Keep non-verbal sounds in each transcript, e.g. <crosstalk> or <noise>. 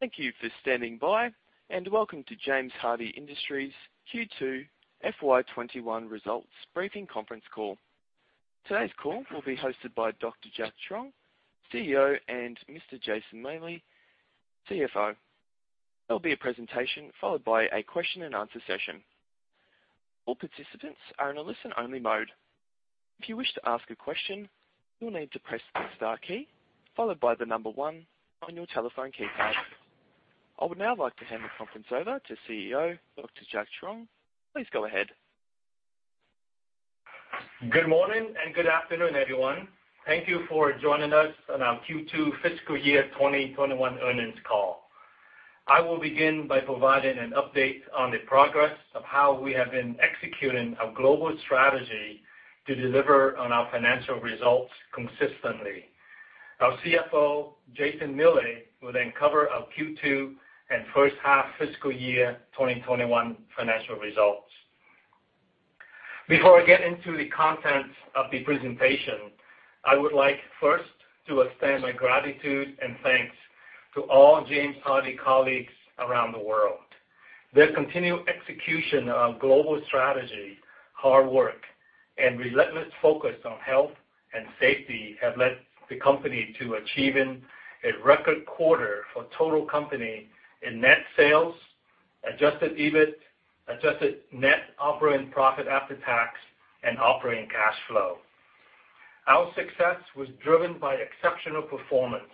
Thank you for standing by, and welcome to James Hardie Industries Q2 FY 2021 results briefing conference call. Today's call will be hosted by Dr. Jack Truong, CEO, and Mr. Jason Miele, CFO. There'll be a presentation followed by a question-and-answer session. All participants are in a listen-only mode. If you wish to ask a question, you'll need to press the star key followed by the number one on your telephone keypad. I would now like to hand the conference over to CEO, Dr. Jack Truong. Please go ahead. Good morning and good afternoon, everyone. Thank you for joining us on our Q2 Fiscal Year 2021 Earnings Call. I will begin by providing an update on the progress of how we have been executing our global strategy to deliver on our financial results consistently. Our CFO, Jason Miele, will then cover our Q2 and first half fiscal year 2021 financial results. Before I get into the content of the presentation, I would like first to extend my gratitude and thanks to all James Hardie colleagues around the world. Their continued execution of global strategy, hard work, and relentless focus on health and safety have led the company to achieving a record quarter for total company in net sales, adjusted EBIT, adjusted net operating profit after tax, and operating cash flow. Our success was driven by exceptional performance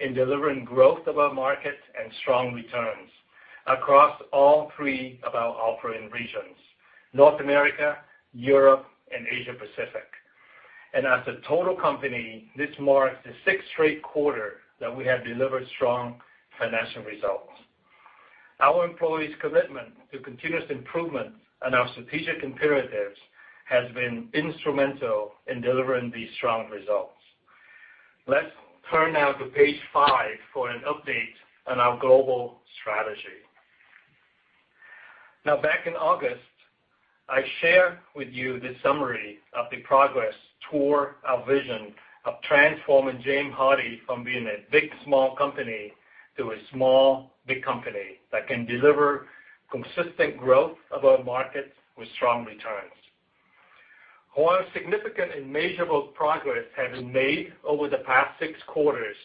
in delivering growth of our markets and strong returns across all three of our operating regions, North America, Europe, and Asia Pacific, and as a total company, this marks the sixth straight quarter that we have delivered strong financial results. Our employees' commitment to continuous improvement and our strategic imperatives has been instrumental in delivering these strong results. Let's turn now to page five for an update on our global strategy. Now, back in August, I shared with you the summary of the progress toward our vision of transforming James Hardie from being a big, small company to a small, big company that can deliver consistent growth of our markets with strong returns. While significant and measurable progress has been made over the past six quarters,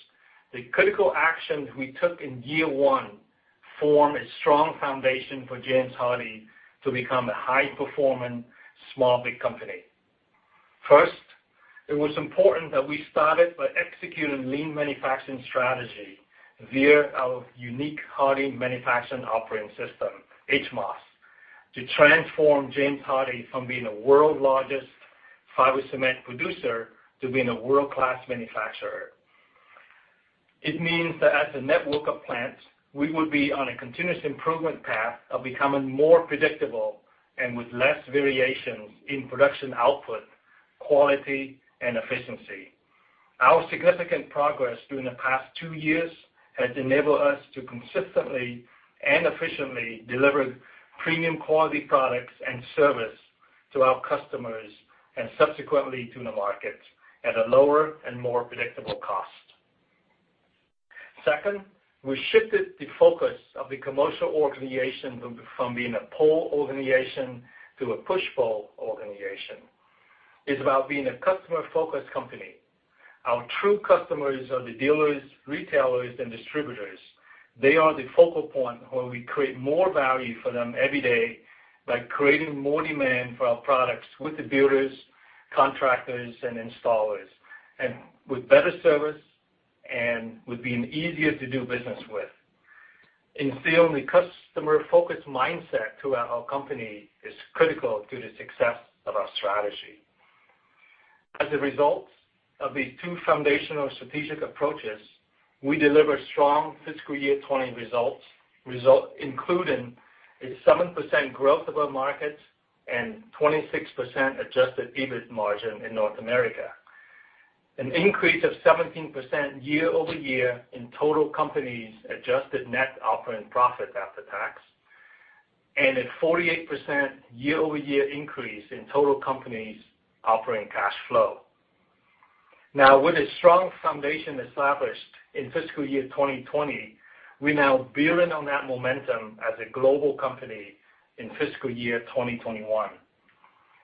the critical actions we took in year one form a strong foundation for James Hardie to become a high-performing, small, big company. First, it was important that we started by executing lean manufacturing strategy via our unique Hardie Manufacturing Operating System, HMOS, to transform James Hardie from being the world largest fiber cement producer to being a world-class manufacturer. It means that as a network of plants, we will be on a continuous improvement path of becoming more predictable and with less variations in production output, quality, and efficiency. Our significant progress during the past two years has enabled us to consistently and efficiently deliver premium quality products and service to our customers, and subsequently to the market, at a lower and more predictable cost. Second, we shifted the focus of the commercial organization from being a pull organization to a push-pull organization. It's about being a customer-focused company. Our true customers are the dealers, retailers, and distributors. They are the focal point where we create more value for them every day by creating more demand for our products with the builders, contractors, and installers, and with better service and with being easier to do business with. Instilling the customer-focused mindset throughout our company is critical to the success of our strategy. As a result of these two foundational strategic approaches, we delivered strong fiscal year 2020 results, including a 7% growth of our markets and 26% adjusted EBIT margin in North America, an increase of 17% year-over-year in total company's adjusted net operating profit after tax, and a 48% year-over-year increase in total company's operating cash flow. Now, with a strong foundation established in fiscal year 2020, we're now building on that momentum as a global company in fiscal year 2021.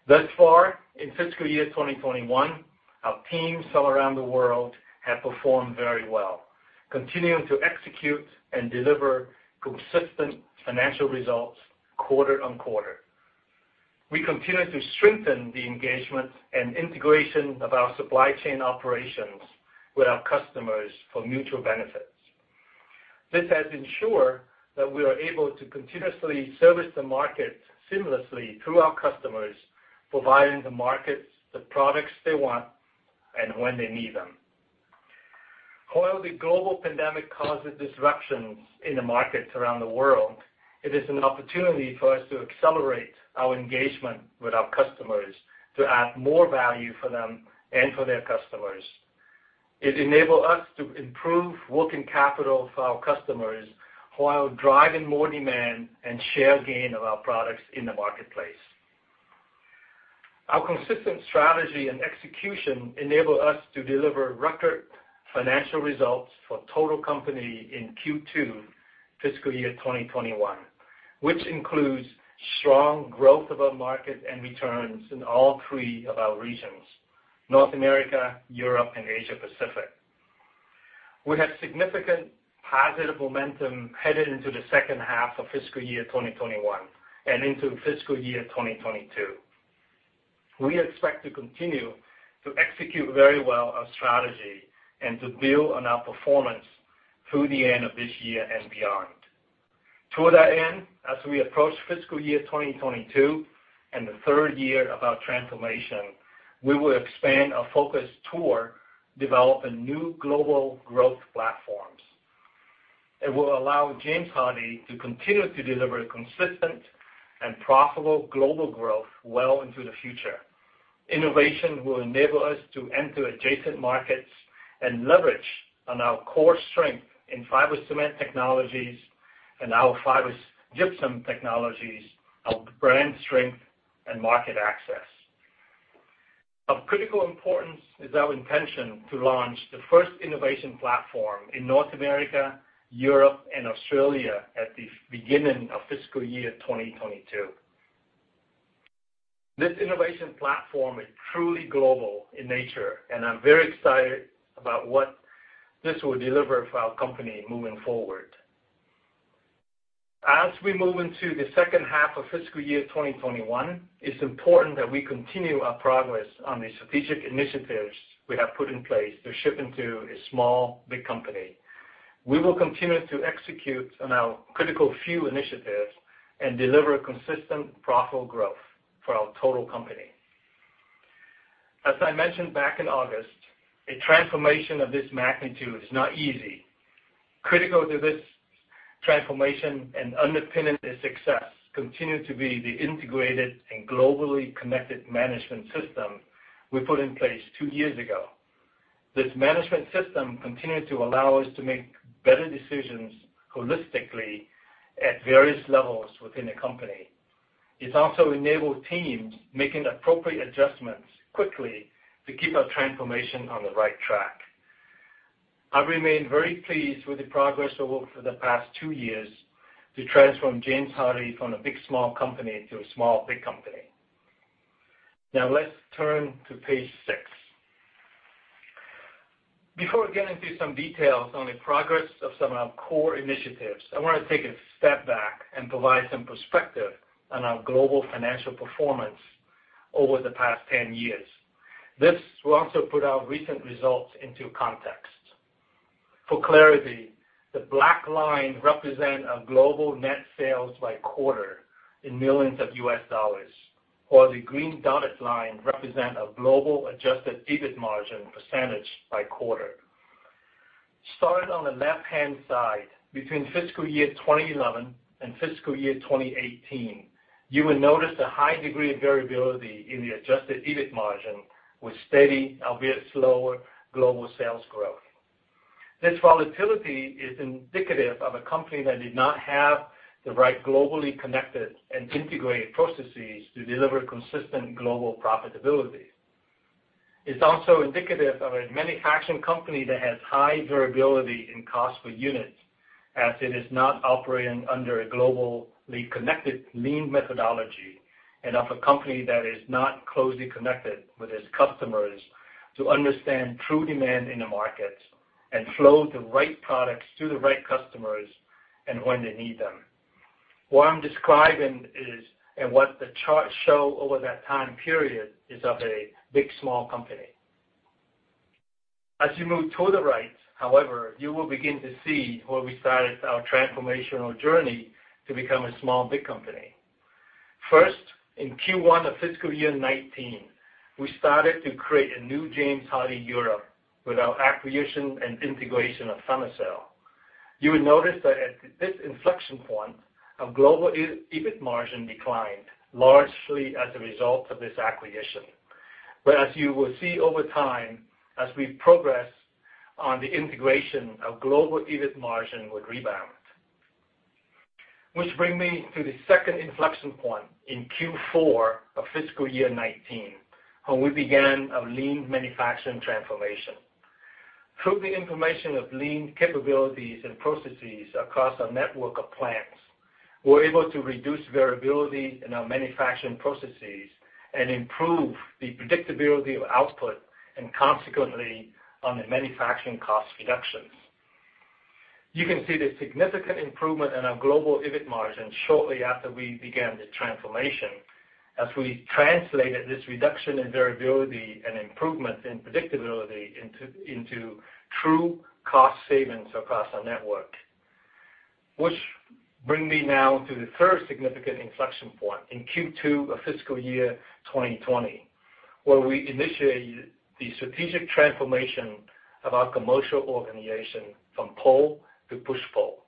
Thus far, in fiscal year 2021, our teams all around the world have performed very well, continuing to execute and deliver consistent financial results quarter on quarter. We continue to strengthen the engagement and integration of our supply chain operations with our customers for mutual benefits. This has ensured that we are able to continuously service the market seamlessly through our customers, providing the markets the products they want and when they need them. While the global pandemic causes disruptions in the markets around the world, it is an opportunity for us to accelerate our engagement with our customers to add more value for them and for their customers. It enables us to improve working capital for our customers while driving more demand and share gain of our products in the marketplace. Our consistent strategy and execution enabled us to deliver record financial results for total company in Q2, fiscal year 2021, which includes strong growth of our market and returns in all three of our regions, North America, Europe, and Asia Pacific. We have significant positive momentum headed into the second half of fiscal year 2021 and into fiscal year 2022. We expect to continue to execute very well our strategy and to build on our performance through the end of this year and beyond. Toward that end, as we approach fiscal year twenty twenty-two and the third year of our transformation, we will expand our focus toward developing new global growth platforms. It will allow James Hardie to continue to deliver consistent and profitable global growth well into the future. Innovation will enable us to enter adjacent markets and leverage on our core strength in fiber cement technologies and our fiber gypsum technologies, our brand strength, and market access. Of critical importance is our intention to launch the first innovation platform in North America, Europe, and Australia at the beginning of fiscal year twenty twenty-two. This innovation platform is truly global in nature, and I'm very excited about what this will deliver for our company moving forward. As we move into the second half of fiscal year twenty twenty-one, it's important that we continue our progress on the strategic initiatives we have put in place to shift into a small, big company. We will continue to execute on our critical few initiatives and deliver consistent profitable growth for our total company. As I mentioned back in August, a transformation of this magnitude is not easy. Critical to this transformation and underpinning its success continue to be the integrated and globally connected management system we put in place two years ago. This management system continues to allow us to make better decisions holistically at various levels within the company. It's also enabled teams making appropriate adjustments quickly to keep our transformation on the right track. I remain very pleased with the progress over the past two years to transform James Hardie from a big, small company to a small, big company. Now, let's turn to page six. Before we get into some details on the progress of some of our core initiatives, I want to take a step back and provide some perspective on our global financial performance over the past 10 years. This will also put our recent results into context. For clarity, the black line represent our global net sales by quarter in millions of U.S. dollars, while the green dotted line represent our global adjusted EBIT margin percentage by quarter. Starting on the left-hand side, between fiscal year 2011 and fiscal year 2018, you will notice a high degree of variability in the adjusted EBIT margin, with steady, albeit slower, global sales growth. This volatility is indicative of a company that did not have the right globally connected and integrated processes to deliver consistent global profitability. It's also indicative of a manufacturing company that has high variability in cost per unit, as it is not operating under a globally connected lean methodology, and of a company that is not closely connected with its customers to understand true demand in the market and flow the right products to the right customers and when they need them. What I'm describing is, and what the charts show over that time period, is of a big, small company. As you move to the right, however, you will begin to see where we started our transformational journey to become a small, big company. First, in Q1 of fiscal year 2019, we started to create a new James Hardie Europe with our acquisition and integration of Fermacell. You will notice that at this inflection point, our global EBIT margin declined, largely as a result of this acquisition. But as you will see over time, as we progress on the integration, our global EBIT margin would rebound. Which brings me to the second inflection point in Q4 of fiscal year 2019, when we began our lean manufacturing transformation. Through the implementation of lean capabilities and processes across our network of plants, we were able to reduce variability in our manufacturing processes and improve the predictability of output, and consequently, on the manufacturing cost reductions. You can see the significant improvement in our global EBIT margin shortly after we began the transformation, as we translated this reduction in variability and improvement in predictability into true cost savings across our network. Which bring me now to the third significant inflection point in Q2 of fiscal year 2020, where we initiated the strategic transformation of our commercial organization from pull to push-pull.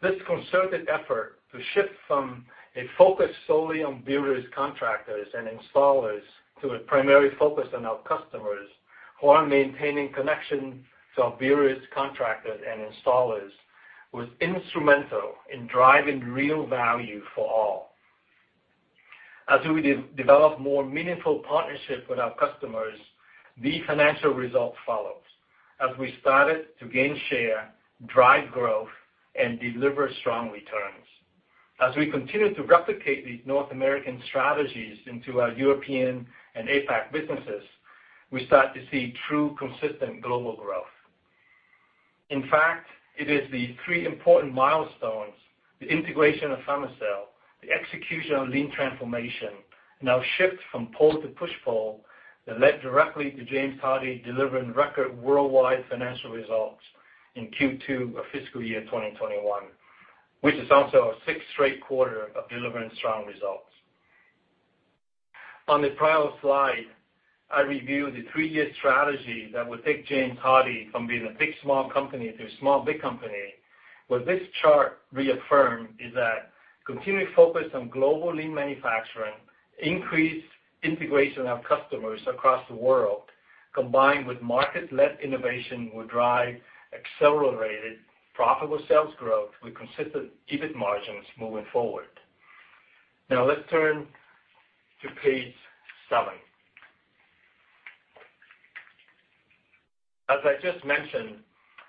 This concerted effort to shift from a focus solely on various contractors and installers to a primary focus on our customers, while maintaining connections to our various contractors and installers, was instrumental in driving real value for all. As we develop more meaningful partnerships with our customers, the financial result follows as we started to gain share, drive growth, and deliver strong returns. As we continue to replicate these North American strategies into our European and APAC businesses, we start to see true consistent global growth. In fact, it is the three important milestones, the integration of Fermacell, the execution of lean transformation, and our shift from pull to push-pull, that led directly to James Hardie delivering record worldwide financial results in Q2 of fiscal year 2021, which is also our sixth straight quarter of delivering strong results. On the prior slide, I reviewed the three-year strategy that would take James Hardie from being a big, small company to a small, big company. What this chart reaffirms is that continued focus on global lean manufacturing, increased integration of customers across the world, combined with market-led innovation, will drive accelerated profitable sales growth with consistent EBIT margins moving forward. Now, let's turn to page seven. As I just mentioned,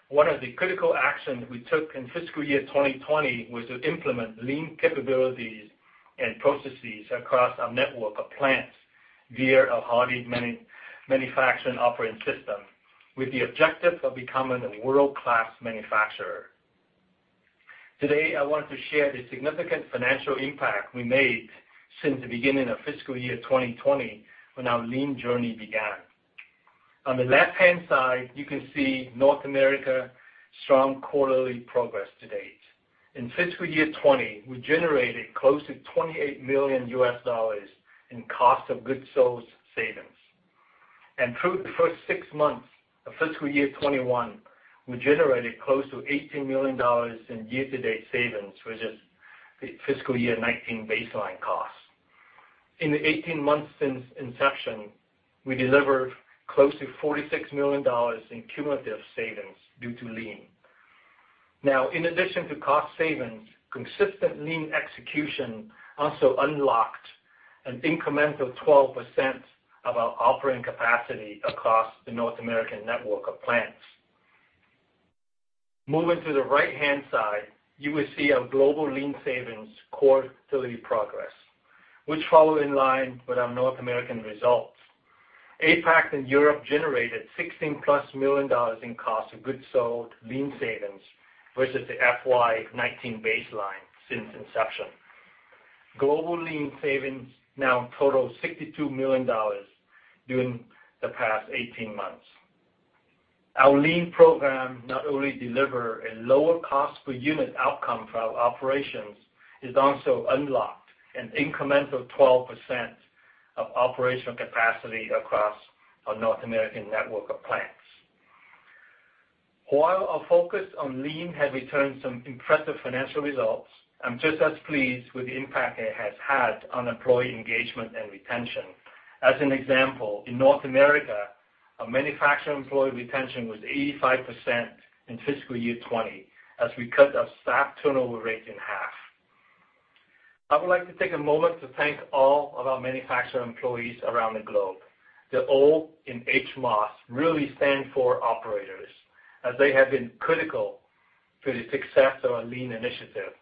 one of the critical actions we took in fiscal year 2020 was to implement lean capabilities and processes across our network of plants via a Hardie Manufacturing Operating System, with the objective of becoming a world-class manufacturer. Today, I want to share the significant financial impact we made since the beginning of fiscal year 2020, when our lean journey began. On the left-hand side, you can see North America strong quarterly progress to date. In fiscal year 2020, we generated close to $28 million in cost of goods sold savings. Through the first six months of fiscal year 2021, we generated close to $18 million in year-to-date savings, versus the fiscal year 2019 baseline costs. In the 18 months since inception, we delivered close to $46 million in cumulative savings due to lean. Now, in addition to cost savings, consistent lean execution also unlocked an incremental 12% of our operating capacity across the North American network of plants. Moving to the right-hand side, you will see our global lean savings quarterly progress, which follow in line with our North American results. APAC and Europe generated $16+ million in cost of goods sold lean savings, versus the FY 2019 baseline since inception. Global lean savings now total $62 million during the past 18 months. Our lean program not only deliver a lower cost per unit outcome for our operations, it's also unlocked an incremental 12% of operational capacity across our North American network of plants. While our focus on lean has returned some impressive financial results, I'm just as pleased with the impact it has had on employee engagement and retention. As an example, in North America, our manufacturing employee retention was 85% in fiscal year 2020, as we cut our staff turnover rate in half. I would like to take a moment to thank all of our manufacturing employees around the globe. The O in HMOS really stand for operators, as they have been critical to the success of our lean initiative.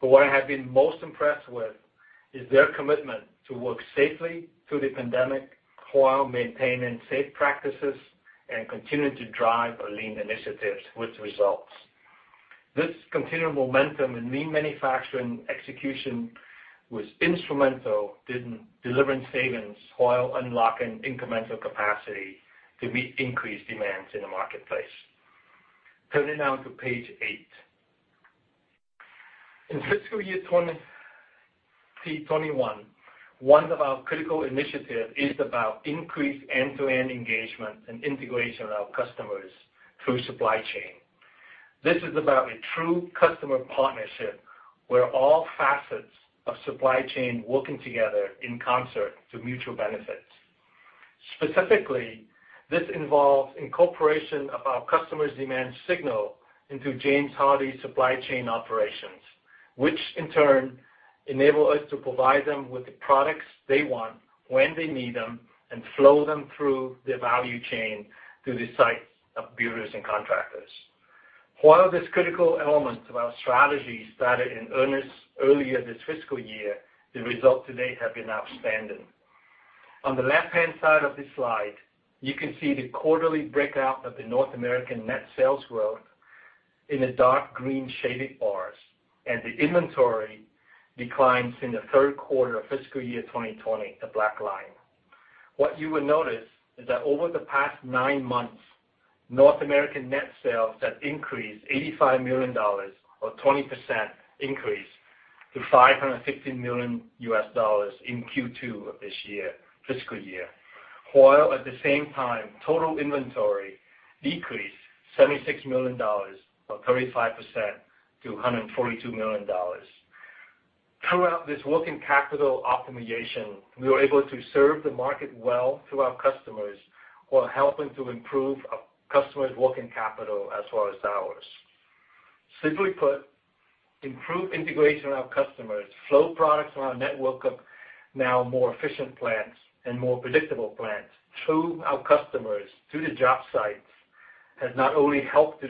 But what I have been most impressed with is their commitment to work safely through the pandemic, while maintaining safe practices and continuing to drive our lean initiatives with results. This continued momentum in lean manufacturing execution was instrumental in delivering savings while unlocking incremental capacity to meet increased demands in the marketplace. Turning now to page eight. In fiscal year 2021, one of our critical initiative is about increased end-to-end engagement and integration of our customers through supply chain. This is about a true customer partnership, where all facets of supply chain working together in concert to mutual benefits. Specifically, this involves incorporation of our customer's demand signal into James Hardie supply chain operations, which in turn enable us to provide them with the products they want, when they need them, and flow them through the value chain to the sites of builders and contractors. While this critical element of our strategy started in earnest earlier this fiscal year, the results to date have been outstanding. On the left-hand side of this slide, you can see the quarterly breakout of the North American net sales growth in the dark green shaded bars, and the inventory declines in the third quarter of fiscal year 2020, the black line. What you will notice is that over the past nine months, North American net sales have increased $85 million, or 20% increase, to $515 million in Q2 of this year, fiscal year. While at the same time, total inventory decreased $76 million, or 35%, to $142 million. Throughout this working capital optimization, we were able to serve the market well to our customers, while helping to improve our customers' working capital as well as ours. Simply put, improved integration of our customers, flow products on our network of now more efficient plants and more predictable plants to our customers, to the job sites, has not only helped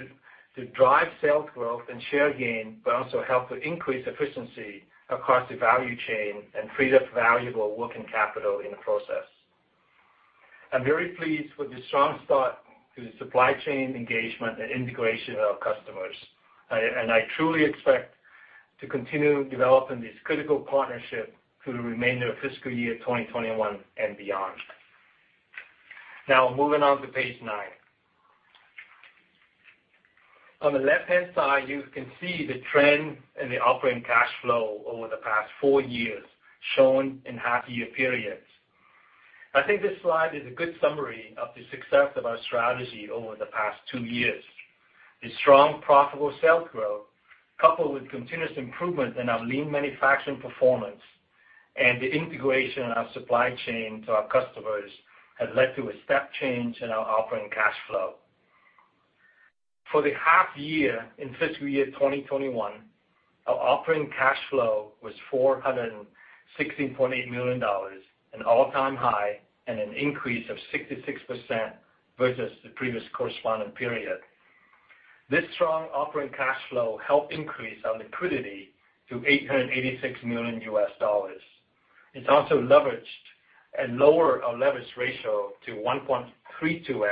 to drive sales growth and share gain, but also helped to increase efficiency across the value chain and freed up valuable working capital in the process. I'm very pleased with the strong start to the supply chain engagement and integration of our customers. And I truly expect to continue developing this critical partnership through the remainder of fiscal year 2021 and beyond. Now, moving on to page nine. On the left-hand side, you can see the trend in the operating cash flow over the past four years, shown in half year periods. I think this slide is a good summary of the success of our strategy over the past two years. The strong, profitable sales growth, coupled with continuous improvement in our lean manufacturing performance and the integration of our supply chain to our customers, has led to a step change in our operating cash flow. For the half year in fiscal year 2021, our operating cash flow was $416.8 million, an all-time high and an increase of 66% versus the previous corresponding period. This strong operating cash flow helped increase our liquidity to $886 million. It's also leveraged and lowered our leverage ratio to 1.32x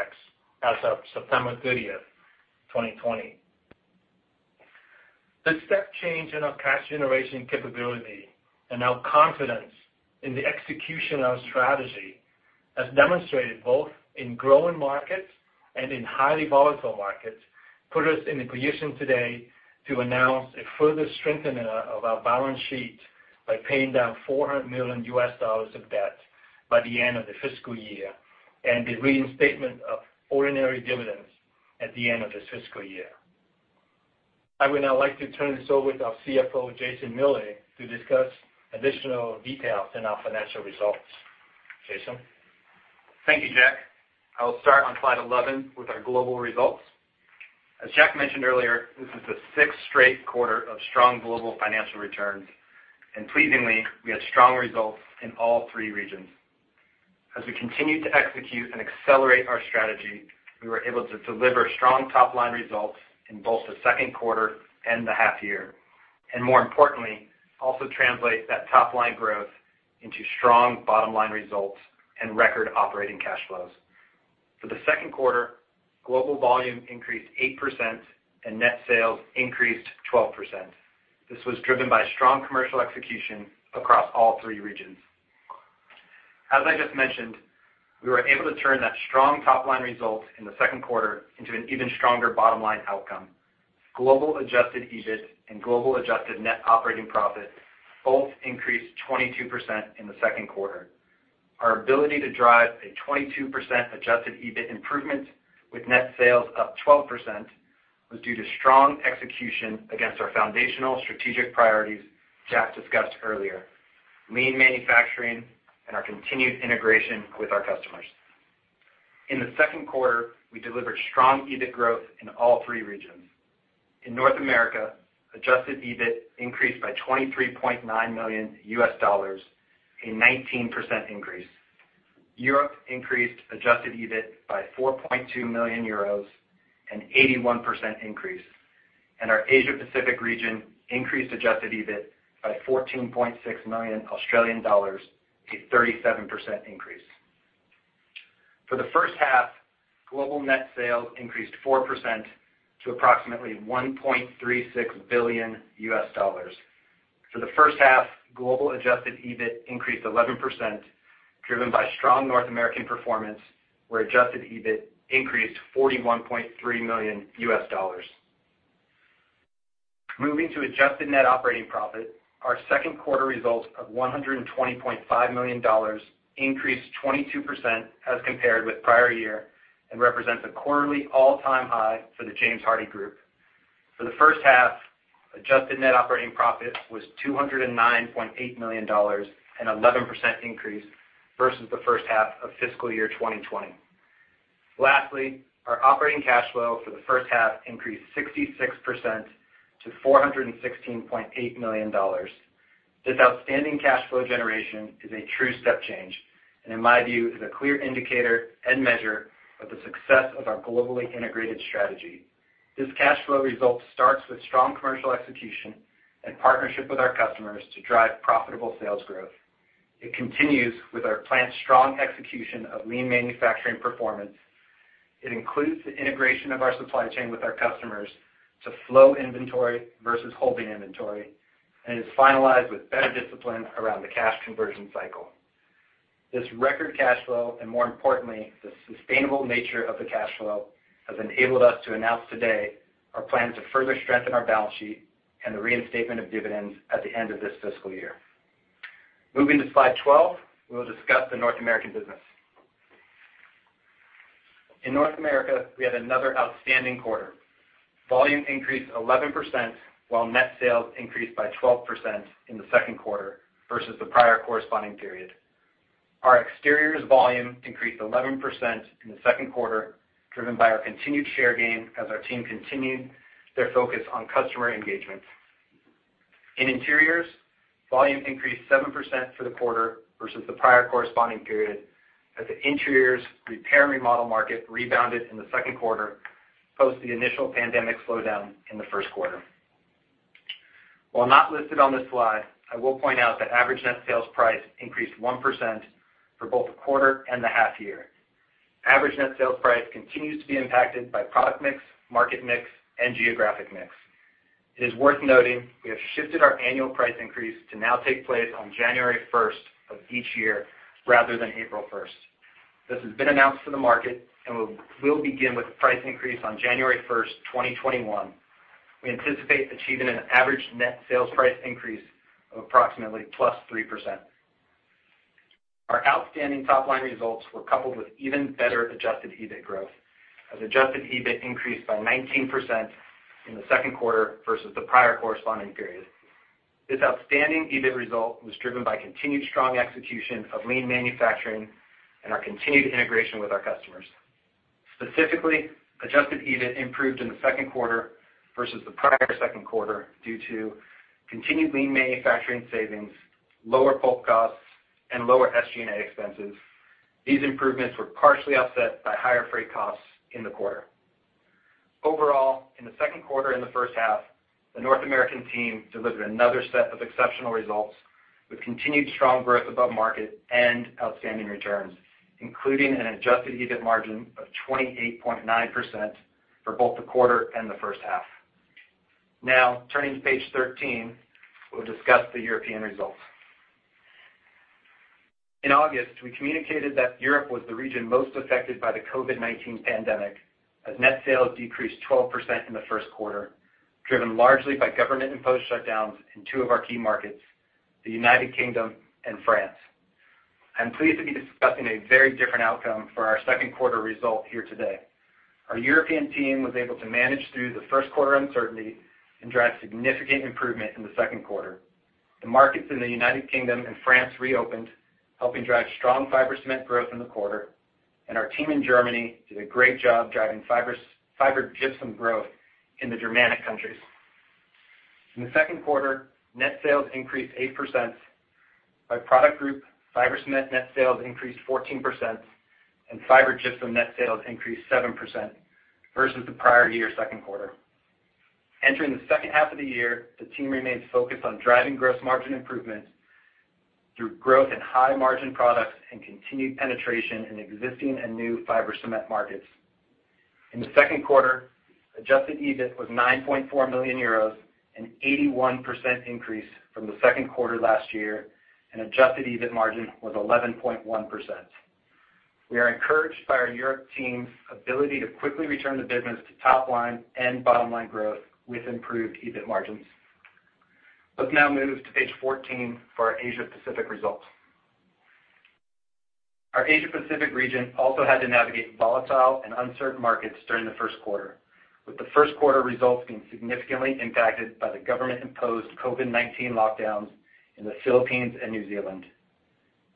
as of September thirtieth, 2020. The step change in our cash generation capability and our confidence in the execution of our strategy, as demonstrated both in growing markets and in highly volatile markets, put us in a position today to announce a further strengthening of our balance sheet by paying down $400 million of debt by the end of the fiscal year, and the reinstatement of ordinary dividends at the end of this fiscal year. I would now like to turn this over to our CFO, Jason Miele, to discuss additional details in our financial results. Jason? Thank you, Jack. I will start on slide eleven with our global results. As Jack mentioned earlier, this is the sixth straight quarter of strong global financial returns, and pleasingly, we had strong results in all three regions. As we continued to execute and accelerate our strategy, we were able to deliver strong top-line results in both the second quarter and the half year, and more importantly, also translate that top-line growth into strong bottom-line results and record operating cash flows. For the second quarter, global volume increased 8% and net sales increased 12%. This was driven by strong commercial execution across all three regions. As I just mentioned, we were able to turn that strong top-line result in the second quarter into an even stronger bottom-line outcome. Global adjusted EBIT and global adjusted net operating profit both increased 22% in the second quarter. Our ability to drive a 22% adjusted EBIT improvement with net sales up 12% was due to strong execution against our foundational strategic priorities Jack discussed earlier: lean manufacturing and our continued integration with our customers. In the second quarter, we delivered strong EBIT growth in all three regions. In North America, adjusted EBIT increased by $23.9 million, a 19% increase. Europe increased adjusted EBIT by 4.2 million euros, an 81% increase, and our Asia Pacific region increased adjusted EBIT by 14.6 million Australian dollars, a 37% increase. For the first half, global net sales increased 4% to approximately $1.36 billion. For the first half, global adjusted EBIT increased 11%, driven by strong North American performance, where adjusted EBIT increased $41.3 million. Moving to adjusted net operating profit, our second quarter results of $120.5 million increased 22% as compared with prior year and represents a quarterly all-time high for the James Hardie group. For the first half, adjusted net operating profit was $209.8 million, an 11% increase versus the first half of fiscal year 2020. Lastly, our operating cash flow for the first half increased 66% to $416.8 million. This outstanding cash flow generation is a true step change, and in my view, is a clear indicator and measure of the success of our globally integrated strategy. This cash flow result starts with strong commercial execution and partnership with our customers to drive profitable sales growth. It continues with our planned strong execution of lean manufacturing performance. It includes the integration of our supply chain with our customers to flow inventory versus holding inventory, and is finalized with better discipline around the cash conversion cycle. This record cash flow, and more importantly, the sustainable nature of the cash flow, has enabled us to announce today our plan to further strengthen our balance sheet and the reinstatement of dividends at the end of this fiscal year. Moving to slide 12, we will discuss the North American business. In North America, we had another outstanding quarter. Volume increased 11%, while net sales increased by 12% in the second quarter versus the prior corresponding period. Our exteriors volume increased 11% in the second quarter, driven by our continued share gain as our team continued their focus on customer engagement. In interiors, volume increased 7% for the quarter versus the prior corresponding period, as the interiors repair and remodel market rebounded in the second quarter post the initial pandemic slowdown in the first quarter. While not listed on this slide, I will point out that average net sales price increased 1% for both the quarter and the half year. Average net sales price continues to be impacted by product mix, market mix, and geographic mix. It is worth noting, we have shifted our annual price increase to now take place on January first of each year rather than April 1st. This has been announced to the market, and we'll begin with the price increase on January first, 2021. We anticipate achieving an average net sales price increase of approximately plus 3%. Our outstanding top-line results were coupled with even better adjusted EBIT growth, as adjusted EBIT increased by 19% in the second quarter versus the prior corresponding period. This outstanding EBIT result was driven by continued strong execution of lean manufacturing and our continued integration with our customers. Specifically, adjusted EBIT improved in the second quarter versus the prior second quarter, due to continued lean manufacturing savings, lower pulp costs, and lower SG&A expenses. These improvements were partially offset by higher freight costs in the quarter. Overall, in the second quarter, in the first half, the North American team delivered another set of exceptional results, with continued strong growth above market and outstanding returns, including an adjusted EBIT margin of 28.9% for both the quarter and the first half. Now, turning to page 13, we'll discuss the European results. In August, we communicated that Europe was the region most affected by the COVID-19 pandemic, as net sales decreased 12% in the first quarter, driven largely by government-imposed shutdowns in two of our key markets, the United Kingdom and France. I'm pleased to be discussing a very different outcome for our second quarter result here today. Our European team was able to manage through the first quarter uncertainty and drive significant improvement in the second quarter. The markets in the United Kingdom and France reopened, helping drive strong fiber cement growth in the quarter, and our team in Germany did a great job driving fiber gypsum growth in the Germanic countries. In the second quarter, net sales increased 8%. By product group, fiber cement net sales increased 14%, and fiber gypsum net sales increased 7% versus the prior year second quarter. Entering the second half of the year, the team remains focused on driving gross margin improvement through growth in high-margin products and continued penetration in existing and new fiber cement markets. In the second quarter, adjusted EBIT was 9.4 million euros, an 81% increase from the second quarter last year, and adjusted EBIT margin was 11.1%. We are encouraged by our Europe team's ability to quickly return the business to top line and bottom line growth with improved EBIT margins. Let's now move to page 14 for our Asia Pacific results. Our Asia Pacific region also had to navigate volatile and uncertain markets during the first quarter, with the first quarter results being significantly impacted by the government-imposed COVID-19 lockdowns in the Philippines and New Zealand.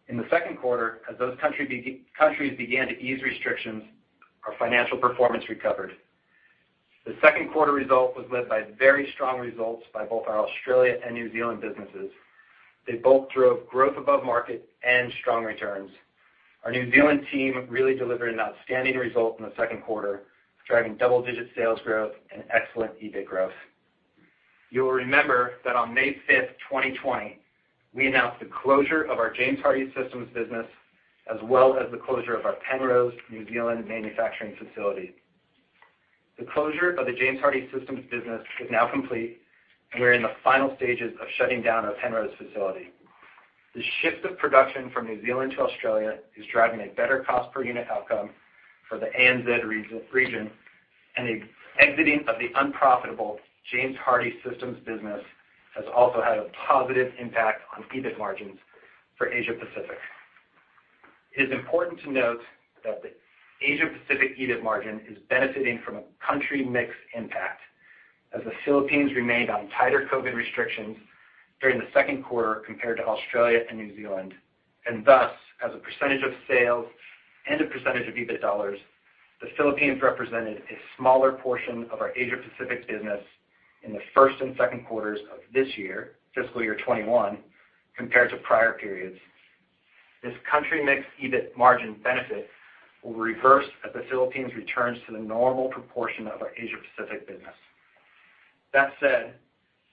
In the second quarter, as those countries began to ease restrictions, our financial performance recovered. The second quarter result was led by very strong results by both our Australia and New Zealand businesses. They both drove growth above market and strong returns. Our New Zealand team really delivered an outstanding result in the second quarter, driving double-digit sales growth and excellent EBIT growth. You will remember that on May 5th, 2020, we announced the closure of our James Hardie Systems business, as well as the closure of our Penrose, New Zealand, manufacturing facility. The closure of the James Hardie Systems business is now complete, and we're in the final stages of shutting down our Penrose facility. The shift of production from New Zealand to Australia is driving a better cost per unit outcome for the ANZ region, and the exiting of the unprofitable James Hardie Systems business has also had a positive impact on EBIT margins for Asia Pacific. It is important to note that the Asia Pacific EBIT margin is benefiting from a country mix impact, as the Philippines remained on tighter COVID restrictions during the second quarter compared to Australia and New Zealand, and thus, as a percentage of sales and a percentage of EBIT dollars, the Philippines represented a smaller portion of our Asia Pacific business in the first and second quarters of this year, fiscal year 2021, compared to prior periods. This country mix EBIT margin benefit will reverse as the Philippines returns to the normal proportion of our Asia Pacific business. That said,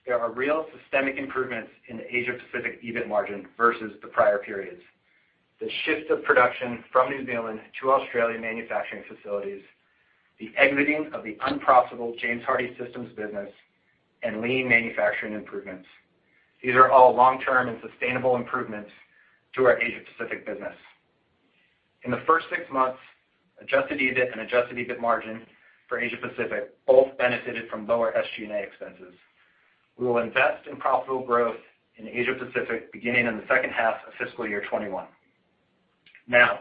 there are real systemic improvements in the Asia Pacific EBIT margin versus the prior periods. The shift of production from New Zealand to Australian manufacturing facilities, the exiting of the unprofitable James Hardie Systems business, and lean manufacturing improvements. These are all long-term and sustainable improvements to our Asia Pacific business. In the first six months, adjusted EBIT and adjusted EBIT margin for Asia Pacific both benefited from lower SG&A expenses. We will invest in profitable growth in Asia Pacific beginning in the second half of fiscal year 2021. Now,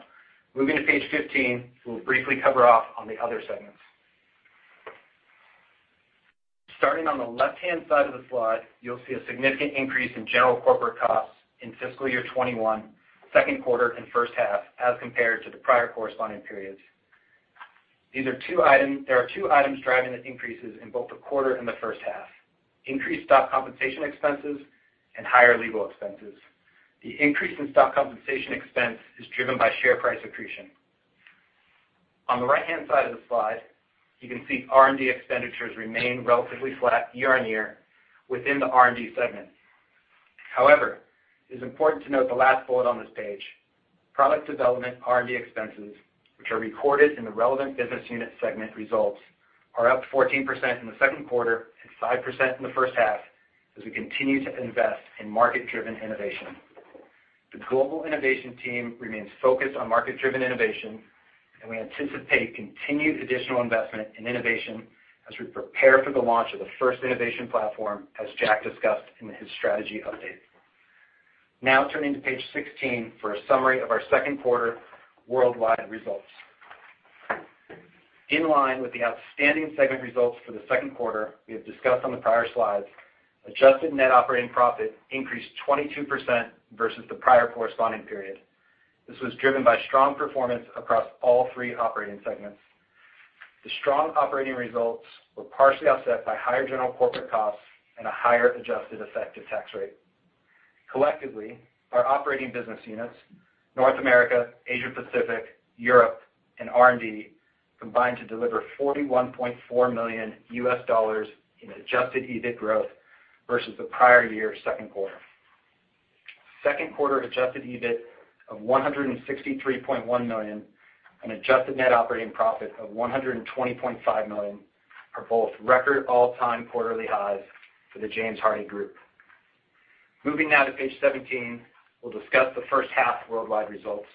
moving to page 15, we'll briefly cover off on the other segments. Starting on the left-hand side of the slide, you'll see a significant increase in general corporate costs in fiscal year 2021, second quarter and first half, as compared to the prior corresponding periods. There are two items driving the increases in both the quarter and the first half, increased stock compensation expenses and higher legal expenses. The increase in stock compensation expense is driven by share price accretion. On the right-hand side of the slide, you can see R&D expenditures remain relatively flat year-on-year within the R&D segment. However, it is important to note the last bullet on this page. Product development R&D expenses, which are recorded in the relevant business unit segment results, are up 14% in the second quarter and 5% in the first half as we continue to invest in market-driven innovation. The global innovation team remains focused on market-driven innovation, and we anticipate continued additional investment in innovation as we prepare for the launch of the first innovation platform, as Jack discussed in his strategy update. Now, turning to page 16 for a summary of our second quarter worldwide results. In line with the outstanding segment results for the second quarter we have discussed on the prior slides, adjusted net operating profit increased 22% versus the prior corresponding period. This was driven by strong performance across all three operating segments. The strong operating results were partially offset by higher general corporate costs and a higher adjusted effective tax rate. Collectively, our operating business units, North America, Asia Pacific, Europe, and R&D, combined to deliver $41.4 million in adjusted EBIT growth versus the prior year's second quarter. Second quarter adjusted EBIT of $163.1 million and adjusted net operating profit of $120.5 million are both record all-time quarterly highs for the James Hardie Group. Moving now to page 17, we'll discuss the first half worldwide results.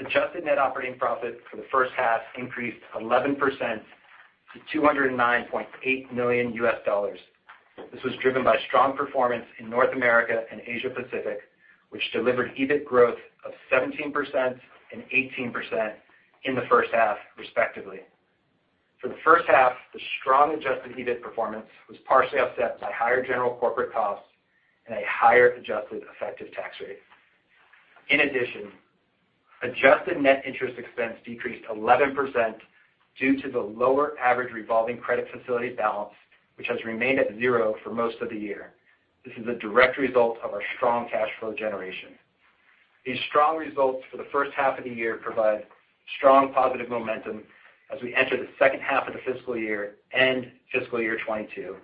Adjusted net operating profit for the first half increased 11% to $209.8 million. This was driven by strong performance in North America and Asia Pacific, which delivered EBIT growth of 17% and 18% in the first half, respectively. For the first half, the strong adjusted EBIT performance was partially offset by higher general corporate costs and a higher adjusted effective tax rate. In addition, adjusted net interest expense decreased 11% due to the lower average revolving credit facility balance, which has remained at zero for most of the year. This is a direct result of our strong cash flow generation. These strong results for the first half of the year provide strong positive momentum as we enter the second half of the fiscal year and fiscal year 2022,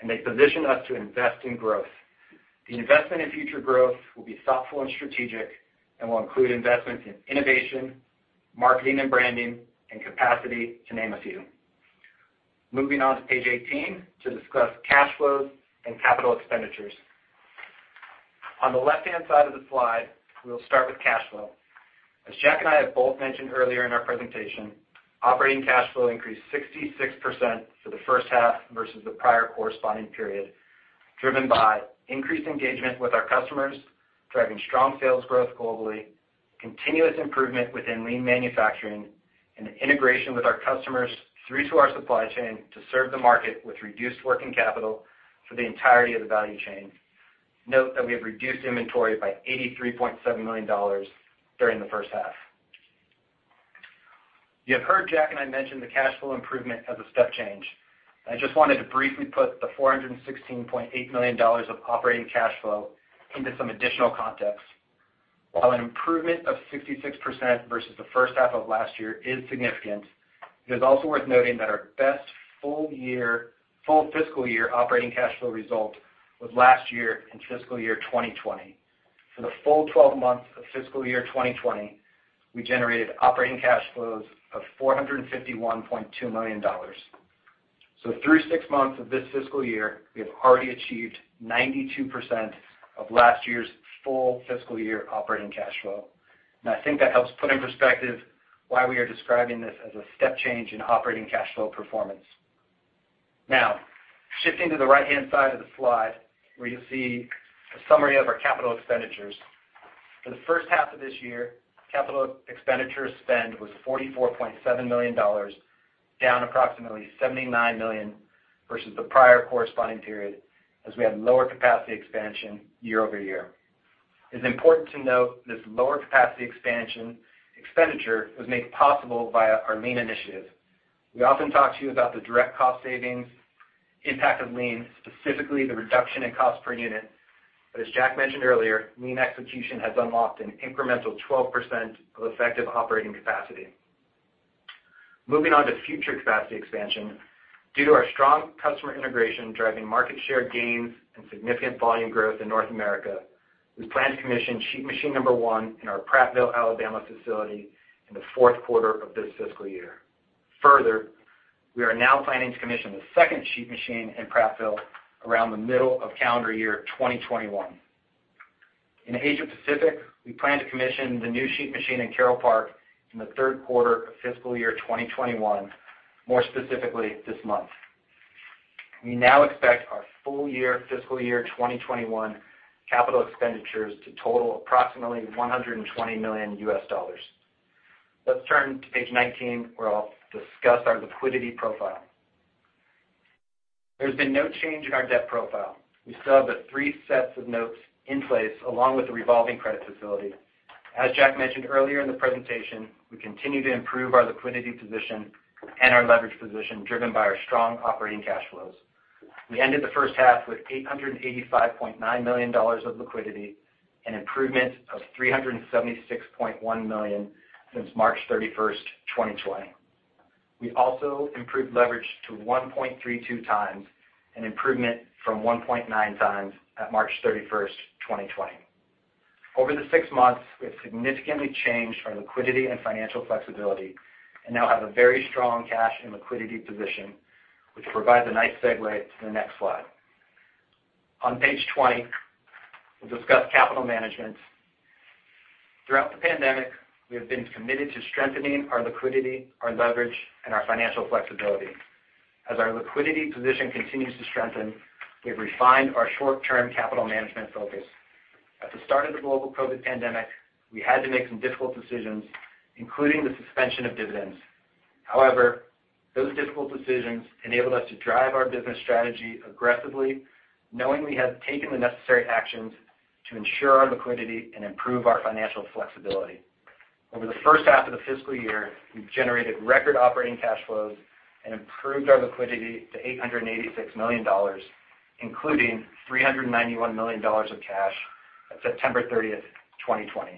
and they position us to invest in growth. The investment in future growth will be thoughtful and strategic and will include investments in innovation, marketing and branding, and capacity, to name a few. Moving on to page 18, to discuss cash flows and capital expenditures. On the left-hand side of the slide, we'll start with cash flow. As Jack and I have both mentioned earlier in our presentation, operating cash flow increased 66% for the first half versus the prior corresponding period, driven by increased engagement with our customers, driving strong sales growth globally, continuous improvement within lean manufacturing, and integration with our customers through to our supply chain to serve the market with reduced working capital for the entirety of the value chain. Note that we have reduced inventory by $83.7 million during the first half. You have heard Jack and I mention the cash flow improvement as a step change. I just wanted to briefly put the $416.8 million of operating cash flow into some additional context. While an improvement of 66% versus the first half of last year is significant, it is also worth noting that our best full year, full fiscal year operating cash flow result was last year in fiscal year 2020. For the full 12 months of fiscal year 2020, we generated operating cash flows of $451.2 million. So through 6 months of this fiscal year, we have already achieved 92% of last year's full fiscal year operating cash flow. And I think that helps put in perspective why we are describing this as a step change in operating cash flow performance. Now, shifting to the right-hand side of the slide, where you'll see a summary of our capital expenditures. For the first half of this year, capital expenditures spend was $44.7 million, down approximately $79 million versus the prior corresponding period, as we had lower capacity expansion year-over-year. It's important to note this lower capacity expansion expenditure was made possible via our lean initiative. We often talk to you about the direct cost savings impact of lean, specifically the reduction in cost per unit, but as Jack mentioned earlier, lean execution has unlocked an incremental 12% of effective operating capacity. Moving on to future capacity expansion. Due to our strong customer integration driving market share gains and significant volume growth in North America, we plan to commission sheet machine number one in our Prattville, Alabama, facility in the fourth quarter of this fiscal year. Further, we are now planning to commission the second sheet machine in Prattville around the middle of calendar year 2021. In Asia Pacific, we plan to commission the new sheet machine in Carole Park in the third quarter of fiscal year 2021, more specifically, this month. We now expect our full year, fiscal year 2021 capital expenditures to total approximately $120 million. Let's turn to page 19, where I'll discuss our liquidity profile. There's been no change in our debt profile. We still have the three sets of notes in place, along with the revolving credit facility. As Jack mentioned earlier in the presentation, we continue to improve our liquidity position and our leverage position, driven by our strong operating cash flows. We ended the first half with $885.9 million of liquidity, an improvement of $376.1 million since March 31, 2020. We also improved leverage to 1.32 times, an improvement from 1.9 times at March 31, 2020. Over the six months, we have significantly changed our liquidity and financial flexibility and now have a very strong cash and liquidity position, which provides a nice segue to the next slide. On page 20, we'll discuss capital management. Throughout the pandemic, we have been committed to strengthening our liquidity, our leverage, and our financial flexibility. As our liquidity position continues to strengthen, we've refined our short-term capital management focus. At the start of the global COVID pandemic, we had to make some difficult decisions, including the suspension of dividends. However, those difficult decisions enabled us to drive our business strategy aggressively, knowing we had taken the necessary actions to ensure our liquidity and improve our financial flexibility. Over the first half of the fiscal year, we've generated record operating cash flows and improved our liquidity to $886 million, including $391 million of cash at September 30th, 2020.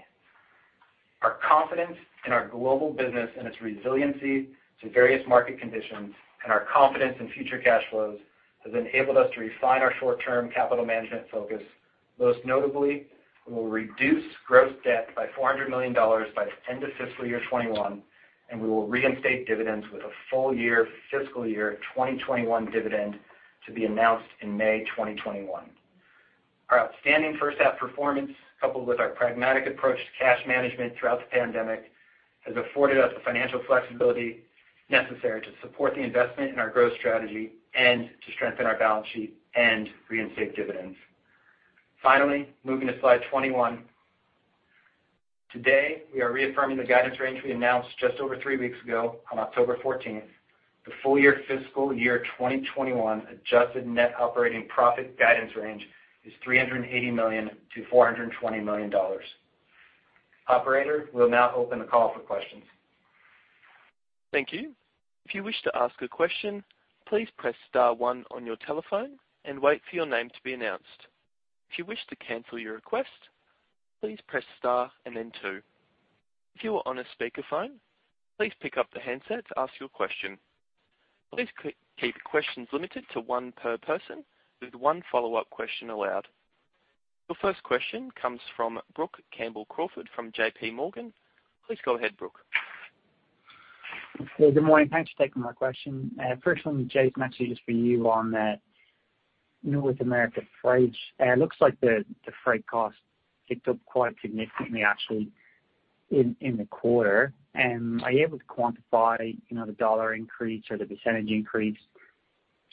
Our confidence in our global business and its resiliency to various market conditions and our confidence in future cash flows has enabled us to refine our short-term capital management focus. Most notably, we will reduce gross debt by $400 million by the end of fiscal year 2021, and we will reinstate dividends with a full year, fiscal year 2021 dividend to be announced in May 2021. Our outstanding first half performance, coupled with our pragmatic approach to cash management throughout the pandemic, has afforded us the financial flexibility necessary to support the investment in our growth strategy and to strengthen our balance sheet and reinstate dividends. Finally, moving to slide 21. Today, we are reaffirming the guidance range we announced just over three weeks ago on October 14th. The full year, fiscal year 2021 adjusted net operating profit guidance range is $380 million-$420 million. Operator, we'll now open the call for questions. Thank you. If you wish to ask a question, please press star one on your telephone and wait for your name to be announced. If you wish to cancel your request, please press star and then two. If you are on a speakerphone, please pick up the handset to ask your question. Please keep questions limited to one per person, with one follow-up question allowed. The first question comes from Brook Campbell-Crawford, from JPMorgan. Please go ahead, Brook. Hey, good morning. Thanks for taking my question. First one, Jason, is actually just for you on North America freight. It looks like the freight costs picked up quite significantly, actually, in the quarter. Are you able to quantify, you know, the dollar increase or the percentage increase?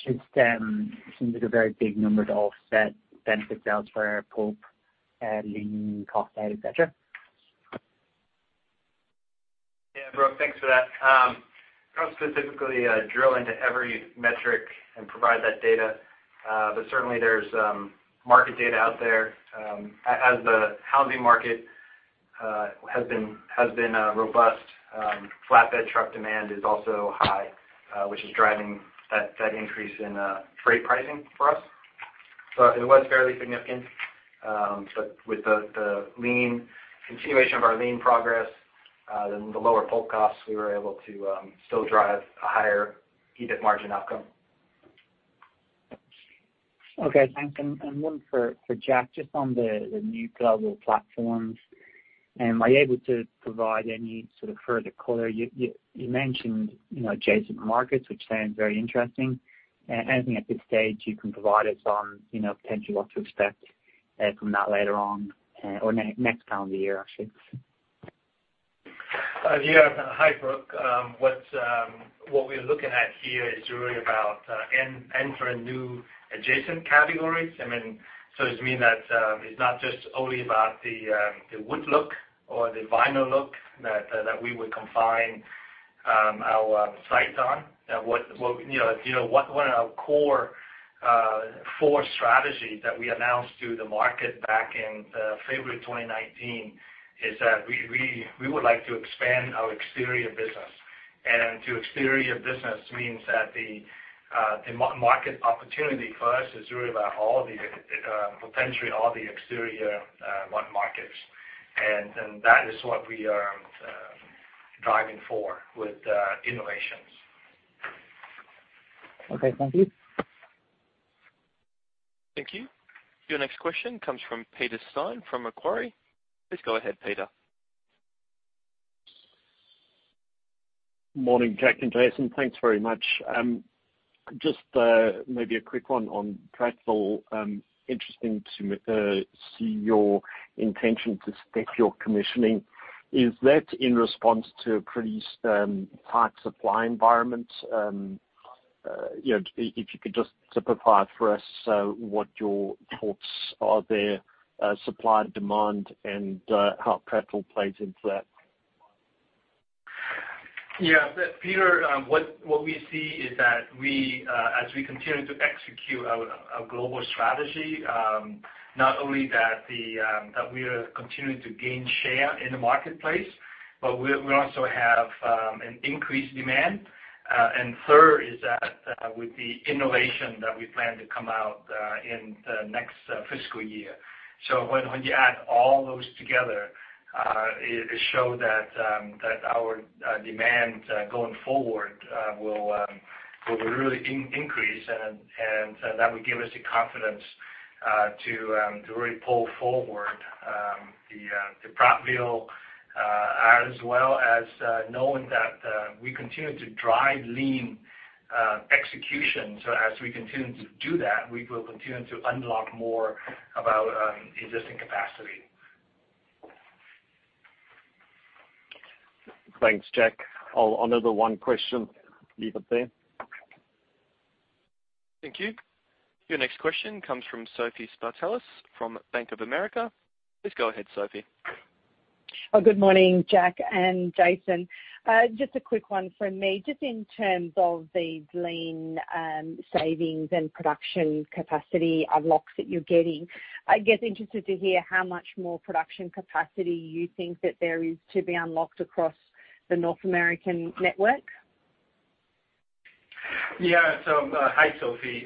Since it seems like a very big number to offset benefit sales for pulp, lean, cost out, et cetera. Yeah, Brook, thanks for that. I can't specifically drill into every metric and provide that data, but certainly there's market data out there. As the housing market has been robust, flatbed truck demand is also high, which is driving that increase in freight pricing for us. So it was fairly significant, but with the continuation of our lean progress, then the lower pulp costs, we were able to still drive a higher EBIT margin outcome. Okay, thanks. And one for Jack, just on the new global platforms, are you able to provide any sort of further color? You mentioned, you know, adjacent markets, which sound very interesting. Anything at this stage you can provide us on, you know, potentially what to expect from that later on, or next calendar year, actually? Yeah. Hi, Brooke. What we're looking at here is really about entering new adjacent categories. I mean, so it means that it's not just only about the wood look or the vinyl look that we would confine our sights on. You know, what our core strategy that we announced to the market back in February 2019 is that we would like to expand our exterior business. And exterior business means that the market opportunity for us is really about all the potentially all the exterior wall markets. And that is what we are driving for with innovations. Okay, thank you. Thank you. Your next question comes from Peter Steyn, from Macquarie. Please go ahead, Peter. Morning, Jack and Jason, thanks very much. Just maybe a quick one on Prattville. Interesting to see your intention to stick to your commissioning. Is that in response to a pretty tight supply environment? You know, if you could just simplify for us what your thoughts are there, supply, demand, and how Prattville plays into that. Yeah, Peter, what we see is that we, as we continue to execute our global strategy, not only that we are continuing to gain share in the marketplace, but we also have an increased demand. And third is that, with the innovation that we plan to come out in the next fiscal year. So when you add all those together, it show that our demand going forward will really increase and that will give us the confidence to really pull forward the Prattville as well as knowing that we continue to drive lean execution. So as we continue to do that, we will continue to unlock more of our existing capacity. Thanks, Jack. I'll take another question and leave it there. Thank you. Your next question comes from Sophie Spartalis from Bank of America. Please go ahead, Sophie. Oh, good morning, Jack and Jason. Just a quick one from me. Just in terms of the lean savings and production capacity unlocks that you're getting, I'd get interested to hear, how much more production capacity you think that there is to be unlocked across the North American network? Yeah. So, hi, Sophie.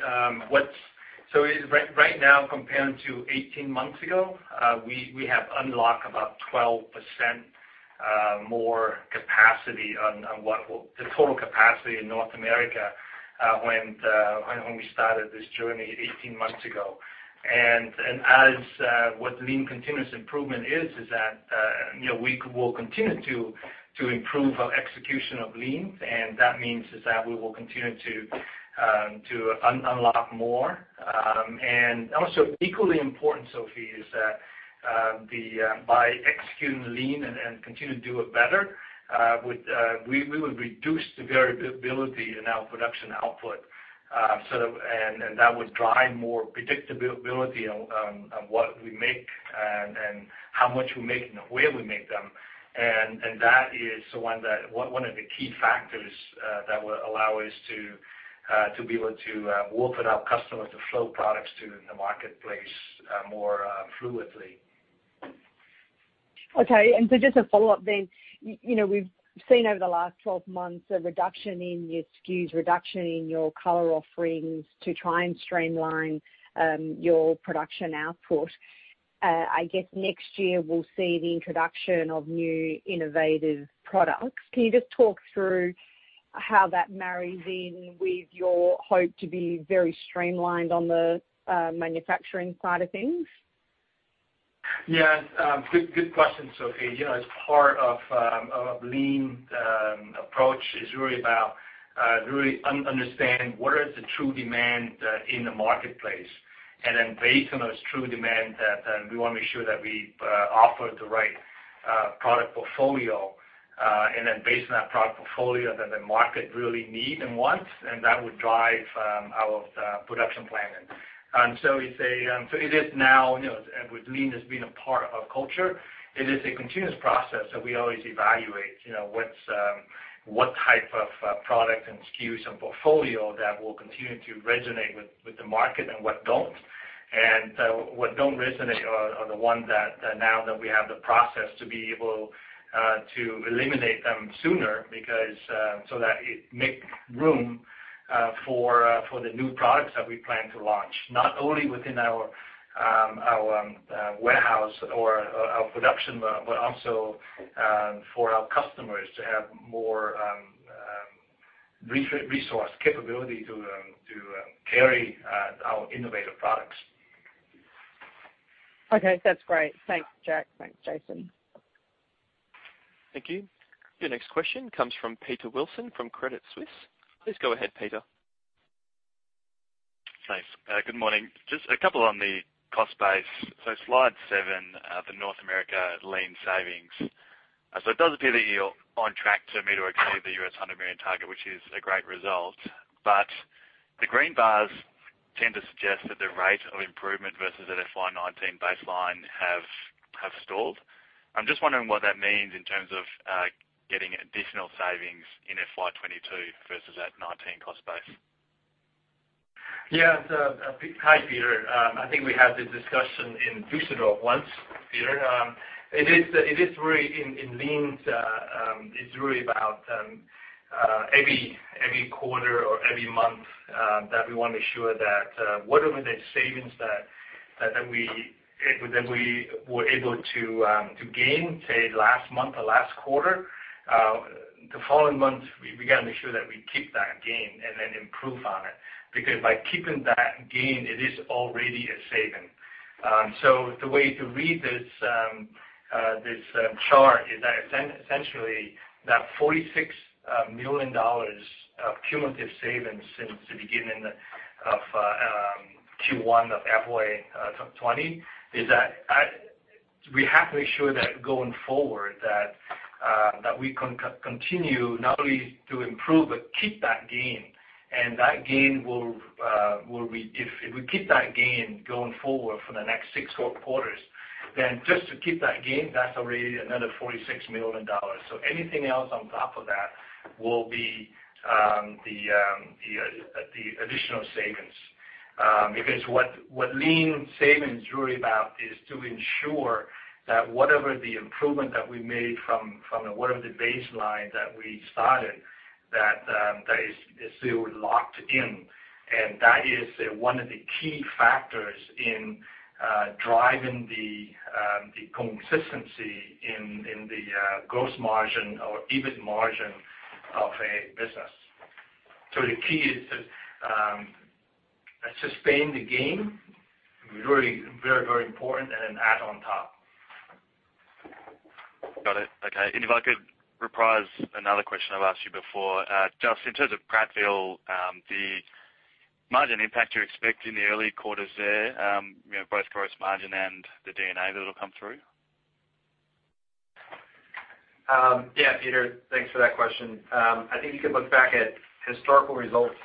Right now, compared to 18 months ago, we have unlocked about 12% more capacity on what will be the total capacity in North America when we started this journey 18 months ago. And what lean continuous improvement is is that you know, we will continue to improve our execution of lean, and that means we will continue to unlock more. And also equally important, Sophie, is that by executing lean and continuing to do it better, we would reduce the variability in our production output. That would drive more predictability on what we make and how much we make and where we make them. That is the one, one of the key factors that will allow us to be able to open up customers to flow products to in the marketplace more fluidly. Okay, and so just a follow-up then. You know, we've seen over the last 12 months a reduction in your SKUs, reduction in your color offerings to try and streamline your production output. I guess next year we'll see the introduction of new innovative products. Can you just talk through how that marries in with your hope to be very streamlined on the manufacturing side of things? Yeah, good, good question, Sophie. You know, as part of, of a lean approach is really about, really understanding what is the true demand in the marketplace. And then based on those true demand, that, we want to make sure that we offer the right product portfolio, and then based on that product portfolio, that the market really need and want, and that would drive our production planning. And so it's a, so it is now, you know, and with lean as being a part of culture, it is a continuous process that we always evaluate, you know, what type of product and SKUs and portfolio that will continue to resonate with the market and what don't. What don't resonate are the ones that now that we have the process to be able to eliminate them sooner, because so that it make room for the new products that we plan to launch, not only within our warehouse or our production, but also for our customers to have more resource capability to carry our innovative products. Okay, that's great. Thanks, Jack. Thanks, Jason. Thank you. Your next question comes from Peter Wilson, from Credit Suisse. Please go ahead, Peter. Thanks. Good morning. Just a couple on the cost base. So slide seven, the North America lean savings. So it does appear that you're on track to meet or exceed the $100 million target, which is a great result. But the green bars tend to suggest that the rate of improvement versus the FY19 baseline have stalled. I'm just wondering what that means in terms of getting additional savings in FY 2022 versus that 19 cost base. Yeah, so, hi, Peter. I think we had this discussion in Düsseldorf once, Peter. It is really in lean. It's really about every quarter or every month that we want to ensure that what are the savings that we were able to gain, say, last month or last quarter? The following month, we got to make sure that we keep that gain and then improve on it, because by keeping that gain, it is already a saving.... So the way to read this chart is that essentially $46 million of cumulative savings since the beginning of Q1 of FY 2020 is that we have to make sure that going forward that we continue not only to improve, but keep that gain. And that gain will be if we keep that gain going forward for the next six quarters, then just to keep that gain, that's already another $46 million. So anything else on top of that will be the additional savings. Because what lean savings is really about is to ensure that whatever the improvement that we made from whatever the baseline that we started, that is still locked in. And that is one of the key factors in driving the consistency in the gross margin or EBIT margin of a business. So the key is to sustain the gain, really very, very important, and then add on top. Got it. Okay, and if I could reprise another question I've asked you before. Just in terms of Prattville, the margin impact you expect in the early quarters there, you know, both gross margin and the EBITDA that'll come through? Yeah, Peter, thanks for that question. I think you can look back at historical results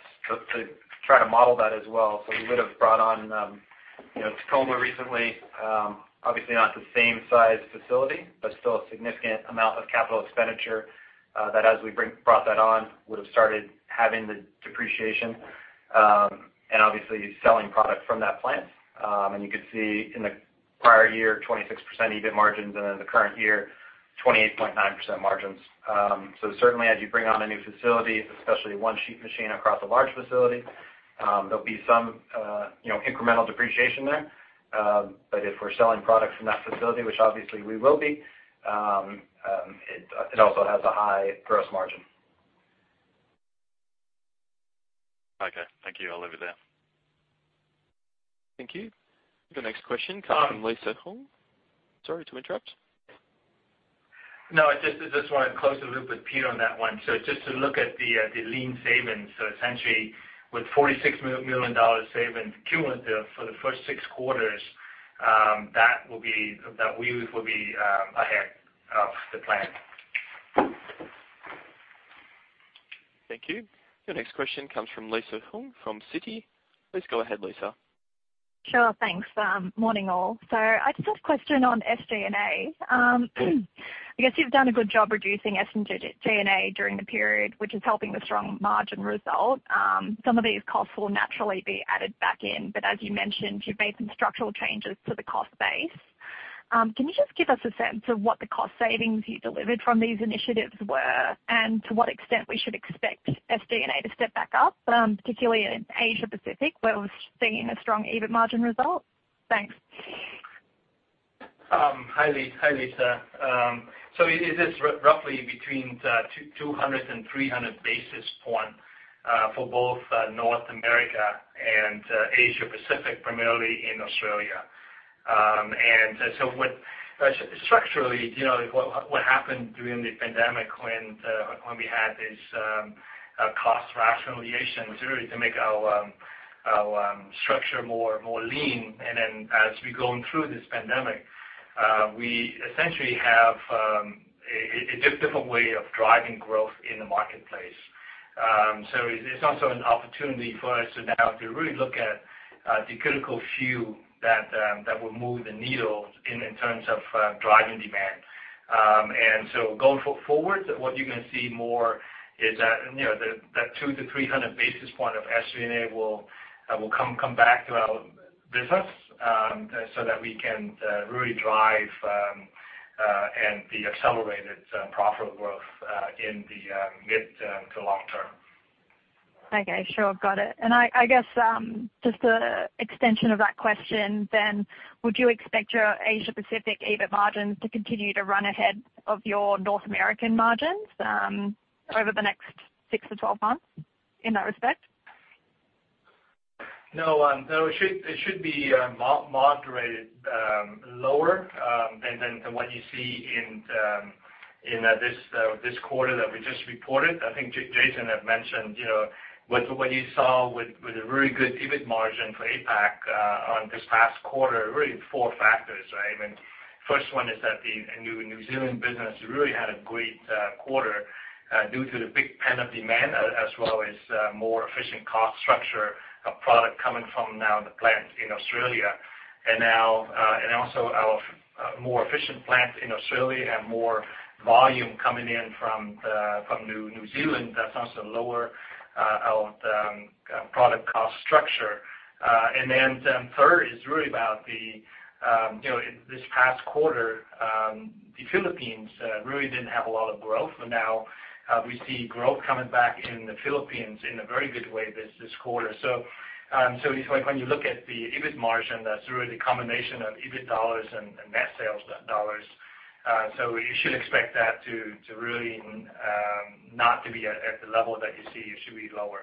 to try to model that as well. So we would have brought on, you know, Tacoma recently, obviously not the same size facility, but still a significant amount of capital expenditure, that as we brought that on, would have started having the depreciation, and obviously selling product from that plant. You could see in the prior year, 26% EBIT margins, and in the current year, 28.9% margins. So certainly as you bring on a new facility, especially one sheet machine across a large facility, there'll be some, you know, incremental depreciation there. But if we're selling products from that facility, which obviously we will be, it also has a high gross margin. Okay. Thank you. I'll leave it there. Thank you. The next question comes from Lisa Huynh. Sorry to interrupt. No, I just, I just wanted to close the loop with Peter on that one. So just to look at the lean savings, so essentially, with $46 million dollars savings cumulative for the first six quarters, that we will be ahead of the plan. Thank you. The next question comes from Lisa Huynh, from Citi. Please go ahead, Lisa. Sure. Thanks. Morning, all. So I just have a question on SG&A. I guess you've done a good job reducing SG&A during the period, which is helping the strong margin result. Some of these costs will naturally be added back in, but as you mentioned, you've made some structural changes to the cost base. Can you just give us a sense of what the cost savings you delivered from these initiatives were, and to what extent we should expect SG&A to step back up, particularly in Asia Pacific, where we're seeing a strong EBIT margin result? Thanks. Hi, Lisa. So it is roughly between 200 and 300 basis point for both North America and Asia Pacific, primarily in Australia. And so what structurally, you know, what happened during the pandemic when we had this cost rationalization, really to make our structure more lean, and then as we're going through this pandemic, we essentially have a different way of driving growth in the marketplace. So it's also an opportunity for us to now really look at the critical few that will move the needle in terms of driving demand. And so going forward, what you're going to see more is that, you know, that 200-300 basis points of SG&A will come back to our business, so that we can really drive and the accelerated profit growth in the mid to long term. Okay, sure. Got it. And I guess, just an extension of that question then, would you expect your Asia Pacific EBIT margins to continue to run ahead of your North American margins over the next six to 12 months, in that respect? No, it should be moderated lower than what you see in this quarter that we just reported. I think Jason had mentioned, you know, what you saw with a very good EBIT margin for APAC on this past quarter, really four factors, right? I mean, first one is that the New Zealand business really had a great quarter due to the big pent-up demand, as well as more efficient cost structure of product coming from now the plant in Australia. And now, and also our more efficient plants in Australia have more volume coming in from the New Zealand. That's also lower our product cost structure. And then, third is really about the, you know, in this past quarter, the Philippines really didn't have a lot of growth, but now, we see growth coming back in the Philippines in a very good way this quarter. So, so it's like when you look at the EBIT margin, that's really the combination of EBIT dollars and net sales dollars. So you should expect that to really not to be at the level that you see, it should be lower....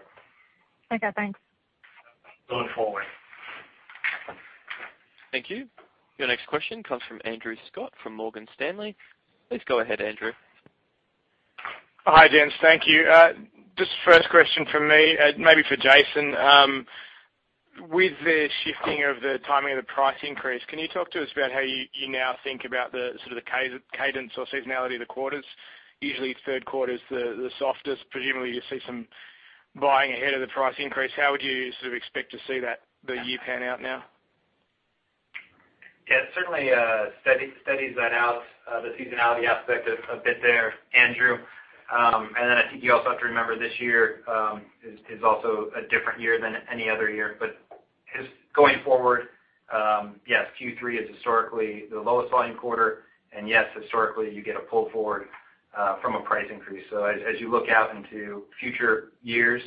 Okay, thanks. Looking forward. Thank you. Your next question comes from Andrew Scott from Morgan Stanley. Please go ahead, Andrew. Hi, gents. Thank you. Just first question from me, maybe for Jason. With the shifting of the timing of the price increase, can you talk to us about how you now think about the sort of cadence or seasonality of the quarters? Usually third quarter is the softest. Presumably, you see some buying ahead of the price increase. How would you sort of expect to see that the year pan out now? Yeah, certainly, steadies that out, the seasonality aspect a bit there, Andrew. And then I think you also have to remember this year is also a different year than any other year. But just going forward, yes, Q3 is historically the lowest volume quarter, and yes, historically you get a pull forward from a price increase. So as you look out into future years,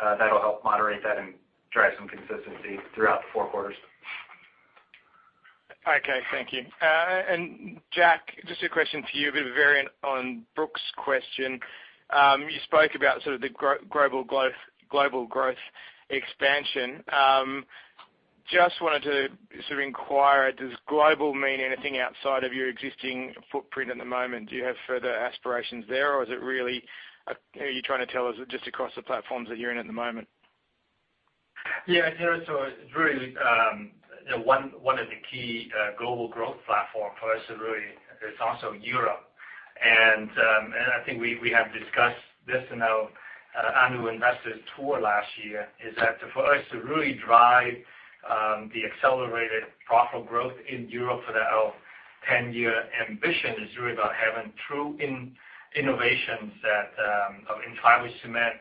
that'll help moderate that and drive some consistency throughout the four quarters. Okay, thank you. And Jack, just a question to you, a bit of a variant on Brook's question. You spoke about sort of the global growth expansion. Just wanted to sort of inquire, does global mean anything outside of your existing footprint at the moment? Do you have further aspirations there, or is it really, are you trying to tell us just across the platforms that you're in at the moment? Yeah, Andrew, so it's really, you know, one of the key global growth platform for us to really... It's also Europe. And I think we have discussed this in our annual investors tour last year, is that for us to really drive the accelerated profitable growth in Europe for the ten-year ambition, is really about having true innovations in fiber cement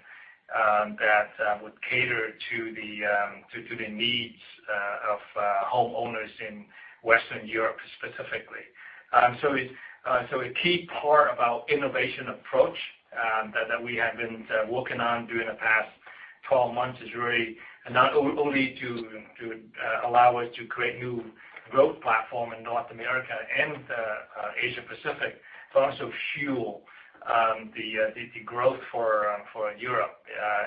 that would cater to the needs of homeowners in Western Europe, specifically. So it's a key part of our innovation approach that we have been working on during the past twelve months is really, and not only to allow us to create new growth platform in North America and Asia Pacific, to also fuel the growth for Europe.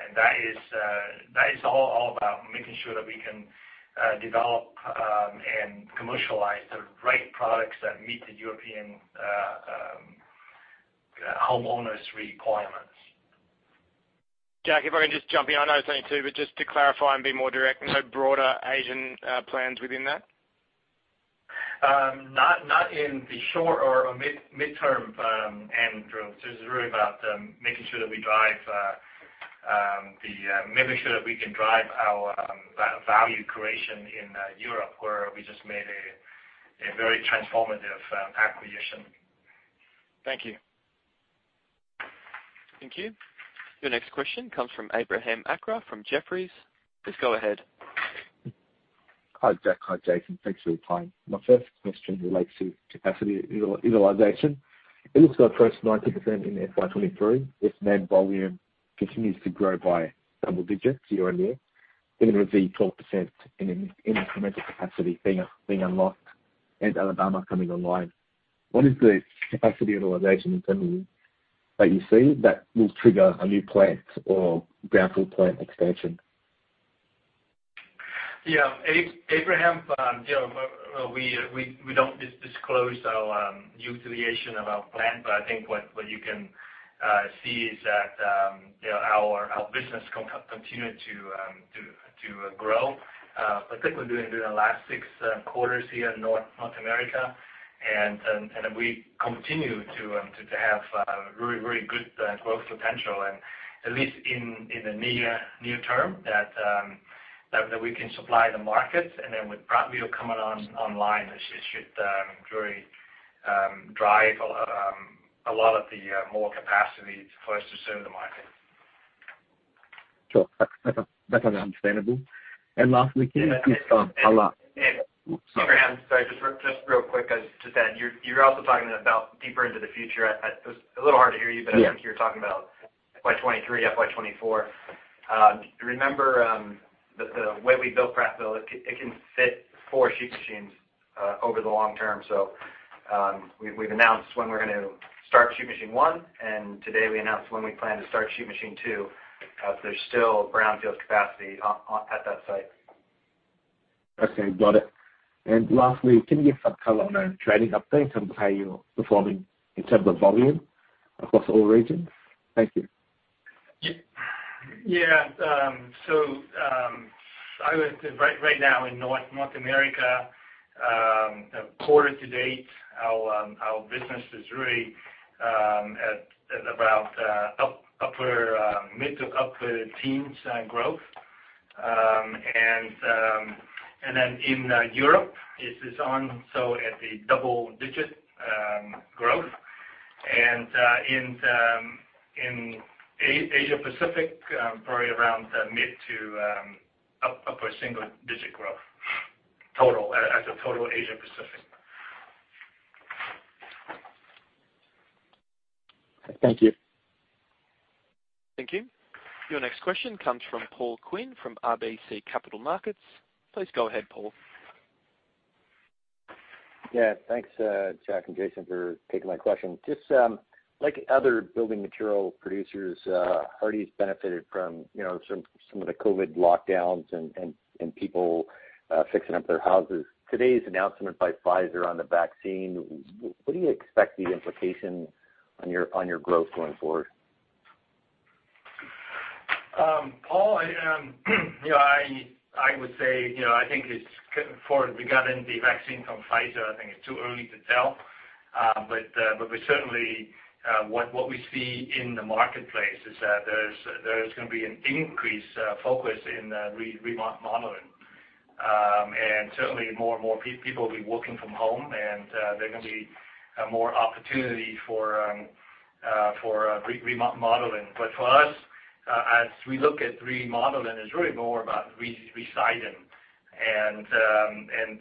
And that is all about making sure that we can develop and commercialize the right products that meet the European homeowners' requirements. Jack, if I can just jump in. I know it's only two, but just to clarify and be more direct, no broader Asian plans within that? Not in the short or mid-term, Andrew. This is really about making sure that we can drive our value creation in Europe, where we just made a very transformative acquisition. Thank you. Thank you. Your next question comes from Abraham Akra from Jefferies. Please go ahead. Hi, Jack. Hi, Jason. Thanks for your time. My first question relates to capacity utilization. It looks like 19% in FY 2023, if net volume continues to grow by double digits year-on-year, then it would be 12% in incremental capacity being unlocked and Alabama coming online. What is the capacity utilization in terms of that you see, that will trigger a new plant or brownfield plant expansion? Yeah. Abraham, you know, we don't disclose our utilization of our plant, but I think what you can see is that, you know, our business continue to grow, particularly during the last six quarters here in North America. And we continue to have very good growth potential, and at least in the near term, that we can supply the market, and then with Prattville coming online, it should very drive a lot of the more capacity for us to serve the market. Sure. That's understandable. And lastly, can you please allow- And, Abraham, sorry, just real quick, as to that, you're also talking about deeper into the future. It was a little hard to hear you- Yeah. But I think you're talking about FY 2023, FY 2024. Remember that the way we built Prattville, it can fit four sheet machines over the long term. So, we've announced when we're going to start sheet machine one, and today we announced when we plan to start sheet machine two. There's still brownfields capacity on at that site. Okay, got it. And lastly, can you give some color on the trading update in terms of how you're performing in terms of volume across all regions? Thank you. Yeah. So, I would say right now in North America, quarter-to-date, our business is really at about upper mid to upper teens growth. And then in Europe, it is also at a double digit growth. And in Asia Pacific, probably around mid to upper single digit growth, total, as a total Asia Pacific. Thank you. Thank you. Your next question comes from Paul Quinn, from RBC Capital Markets. Please go ahead, Paul. Yeah, thanks, Jack and Jason, for taking my question. Just, like other building material producers, Hardie's benefited from, you know, some of the COVID lockdowns and people fixing up their houses. Today's announcement by Pfizer on the vaccine, what do you expect the implication on your growth going forward? Paul, you know, I would say, you know, I think it's too early to tell regarding the vaccine from Pfizer. But we certainly see in the marketplace that there's gonna be an increased focus in remodeling. And certainly more and more people will be working from home, and there are gonna be more opportunity for remodeling. But for us, as we look at remodeling, it's really more about re-siding. And,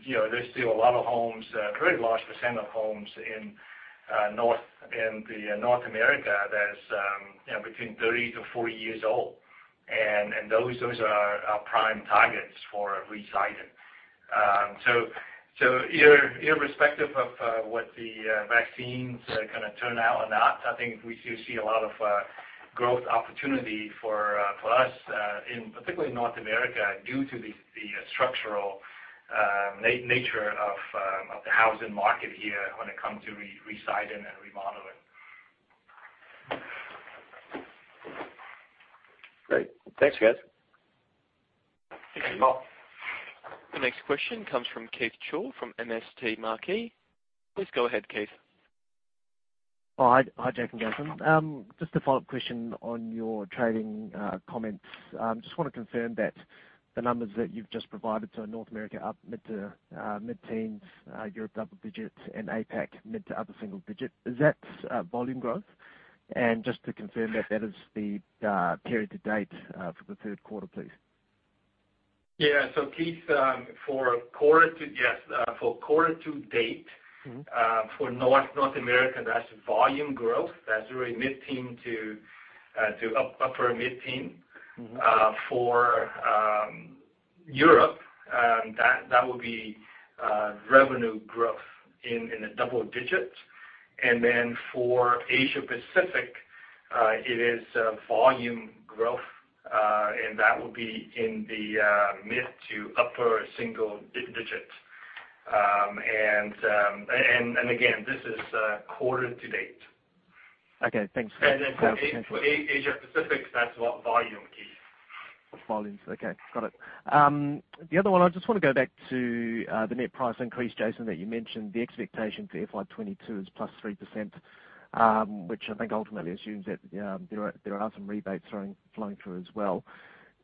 you know, there's still a lot of homes, a very large percent of homes in North America that's, you know, between 30-40 years old, and those are prime targets for re-siding. So irrespective of what the vaccines are gonna turn out or not, I think we still see a lot of growth opportunity for us, particularly in North America, due to the structural nature of the housing market here when it comes to re-siding and remodeling. Great. Thanks, guys. Thank you, Paul. The next question comes from Keith Chau from MST Marquee. Please go ahead, Keith. Oh, hi. Hi, Jack and Jason. Just a follow-up question on your trading comments. Just wanna confirm that the numbers that you've just provided to North America are up mid to mid-teens, Europe double digits, and APAC mid to upper single digit. Is that volume growth? And just to confirm that that is the period to date for the third quarter, please. Yeah. So Keith, for quarter to date- Mm-hmm. for North America, that's volume growth. That's really mid-teen to upper mid-teen. Mm-hmm. For Europe, that would be revenue growth in the double digits. And then for Asia Pacific, it is volume growth, and that will be in the mid to upper single digits. And again, this is quarter to date. Okay, thanks. And then for <crosstalk> major Asia Pacific, that's what volume, Keith. Volumes. Okay, got it. The other one, I just want to go back to the net price increase, Jason, that you mentioned. The expectation for FY 2022 is +3%, which I think ultimately assumes that there are some rebates flowing through as well.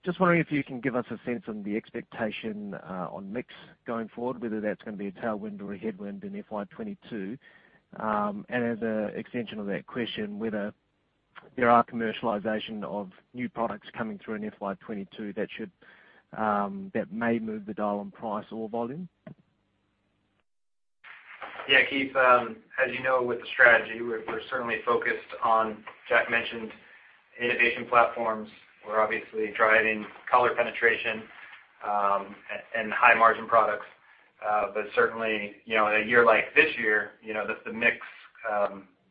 Just wondering if you can give us a sense on the expectation on mix going forward, whether that's gonna be a tailwind or a headwind in FY 2022. And as an extension of that question, whether there are commercialization of new products coming through in FY 2022, that may move the dial on price or volume? Yeah, Keith, as you know, with the strategy, we're certainly focused on, Jack mentioned, innovation platforms. We're obviously driving color penetration and high margin products, but certainly, you know, in a year like this year, you know, that's the mix.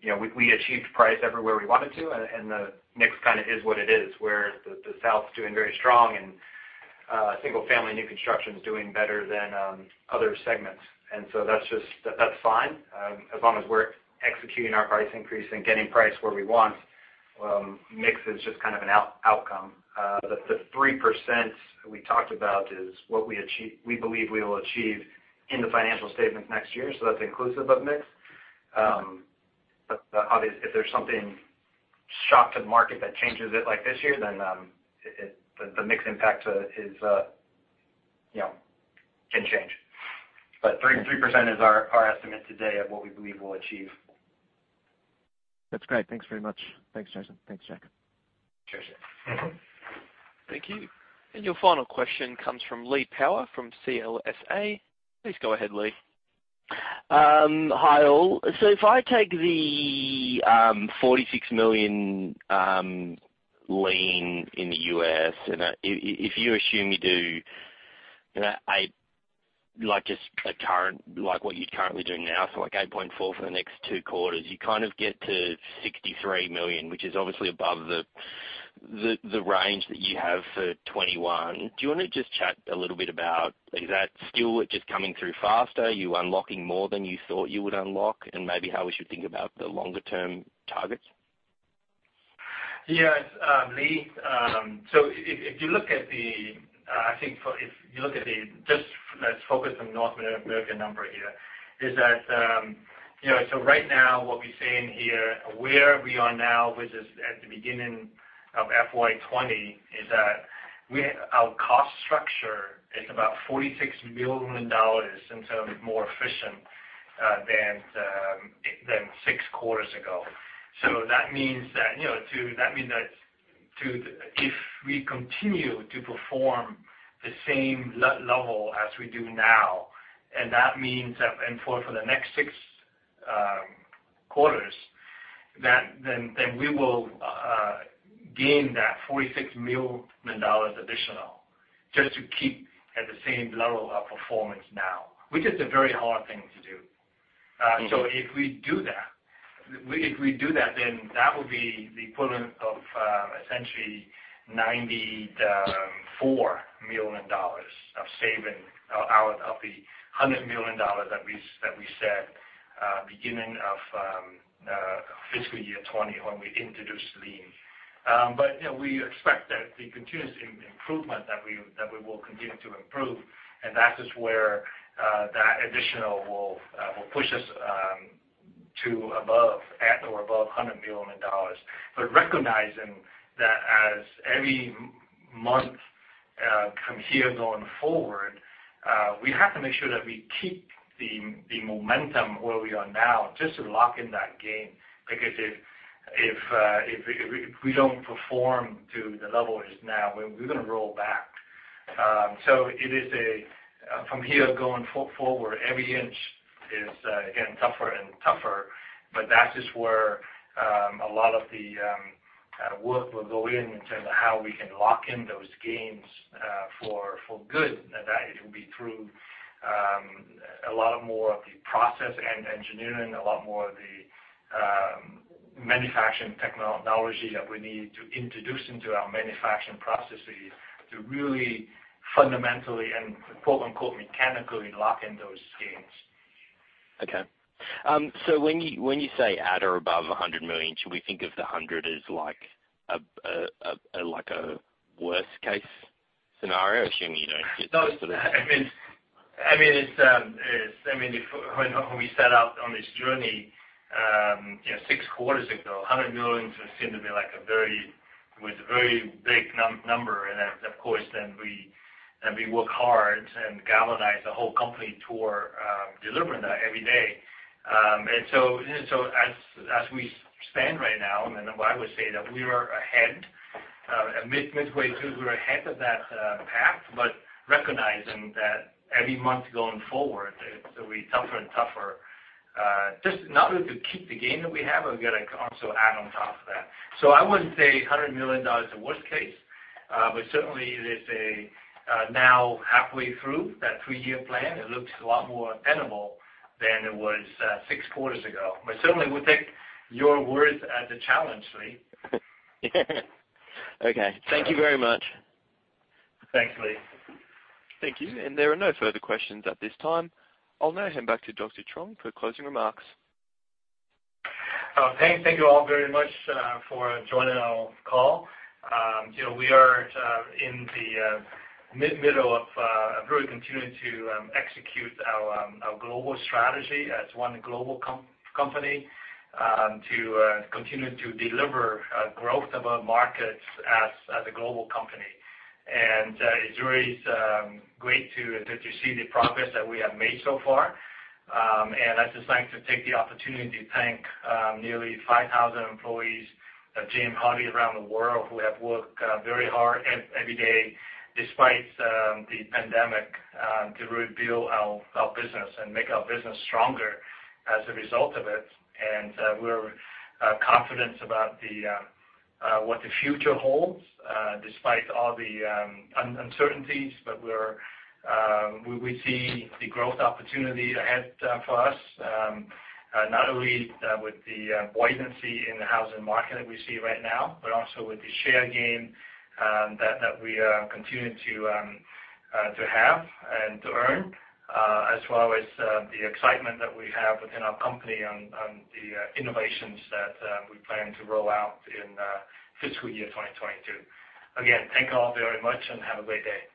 You know, we achieved price everywhere we wanted to, and the mix kind of is what it is, where the South's doing very strong, and single family new construction is doing better than other segments, and so that's just fine. As long as we're executing our price increase and getting price where we want, mix is just kind of an outcome. The 3% we talked about is what we believe we will achieve in the financial statements next year, so that's inclusive of mix. But obviously, if there's something shocking to the market that changes it, like this year, then it... The mix impact is, you know, can change. Mm-hmm. 3% is our estimate today of what we believe we'll achieve. That's great. Thanks very much. Thanks, Jason. Thanks, Jack. Sure, sure. Mm-hmm. Thank you. And your final question comes from Lee Power, from CLSA. Please go ahead, Lee. Hi, all. So if I take the $46 million line in the U.S., and if you assume you do, you know eight like, just a current, like what you're currently doing now, so like 8.4 for the next two quarters, you kind of get to $63 million, which is obviously above the range that you have for 2021. Do you want to just chat a little bit about is that still just coming through faster? Are you unlocking more than you thought you would unlock, and maybe how we should think about the longer-term targets? Yes, Lee, so if you look at the, I think for... If you look at the, just let's focus on North American number here, is that, you know, so right now, what we're saying here, where we are now, which is at the beginning of FY20, is that our cost structure is about $46 million more efficient than six quarters ago. So that means that, you know, that means that if we continue to perform the same level as we do now, and that means that, and for the next six quarters, then we will gain that $46 million additional just to keep at the same level of performance now, which is a very hard thing to do. So if we do that, then that will be the equivalent of essentially $94 million of saving out of the $100 million that we said beginning of fiscal year 2020 when we introduced Lean. But you know, we expect that the continuous improvement that we will continue to improve, and that is where that additional will push us to or above at or above $100 million. But recognizing that as every month from here going forward, we have to make sure that we keep the momentum where we are now, just to lock in that gain. Because if we don't perform to the level we are now, we're gonna roll back. So it is a, from here going forward, every inch is getting tougher and tougher, but that is where a lot of the work will go in, in terms of how we can lock in those gains, for good. And that it will be through a lot more of the process and engineering, a lot more of the manufacturing technology that we need to introduce into our manufacturing processes to really fundamentally, and quote, unquote, "mechanically" lock in those gains. Okay. So when you say at or above a hundred million, should we think of the hundred as like a worst case scenario, assuming you don't get that sort of- No, I mean, it's, I mean, when we set out on this journey, you know, six quarters ago, 100 million seemed to be like a very, was a very big number. And then, of course, we work hard and galvanize the whole company toward delivering that every day. And so as we stand right now, I would say that we are ahead midway through, we're ahead of that path, but recognizing that every month going forward, it will be tougher and tougher, just not only to keep the gain that we have, but we've got to also add on top of that. So I wouldn't say $100 million is a worst case, but certainly there's a, now halfway through that three-year plan, it looks a lot more attainable than it was, six quarters ago. But certainly, we'll take your word as a challenge, Lee. Okay. Thank you very much. Thanks, Lee. Thank you, and there are no further questions at this time. I'll now hand back to Dr. Truong for closing remarks. Thank you all very much for joining our call. You know, we are in the middle of really continuing to execute our global strategy as one global company to continue to deliver growth of our markets as a global company. And it's really great to see the progress that we have made so far. And I'd just like to take the opportunity to thank nearly five thousand employees of James Hardie around the world, who have worked very hard every day, despite the pandemic, to rebuild our business and make our business stronger as a result of it. And we're confident about what the future holds despite all the uncertainties. But we see the growth opportunity ahead for us not only with the buoyancy in the housing market that we see right now, but also with the share gain that we are continuing to have and to earn, as well as the excitement that we have within our company on the innovations that we plan to roll out in fiscal year 2022. Again, thank you all very much, and have a great day.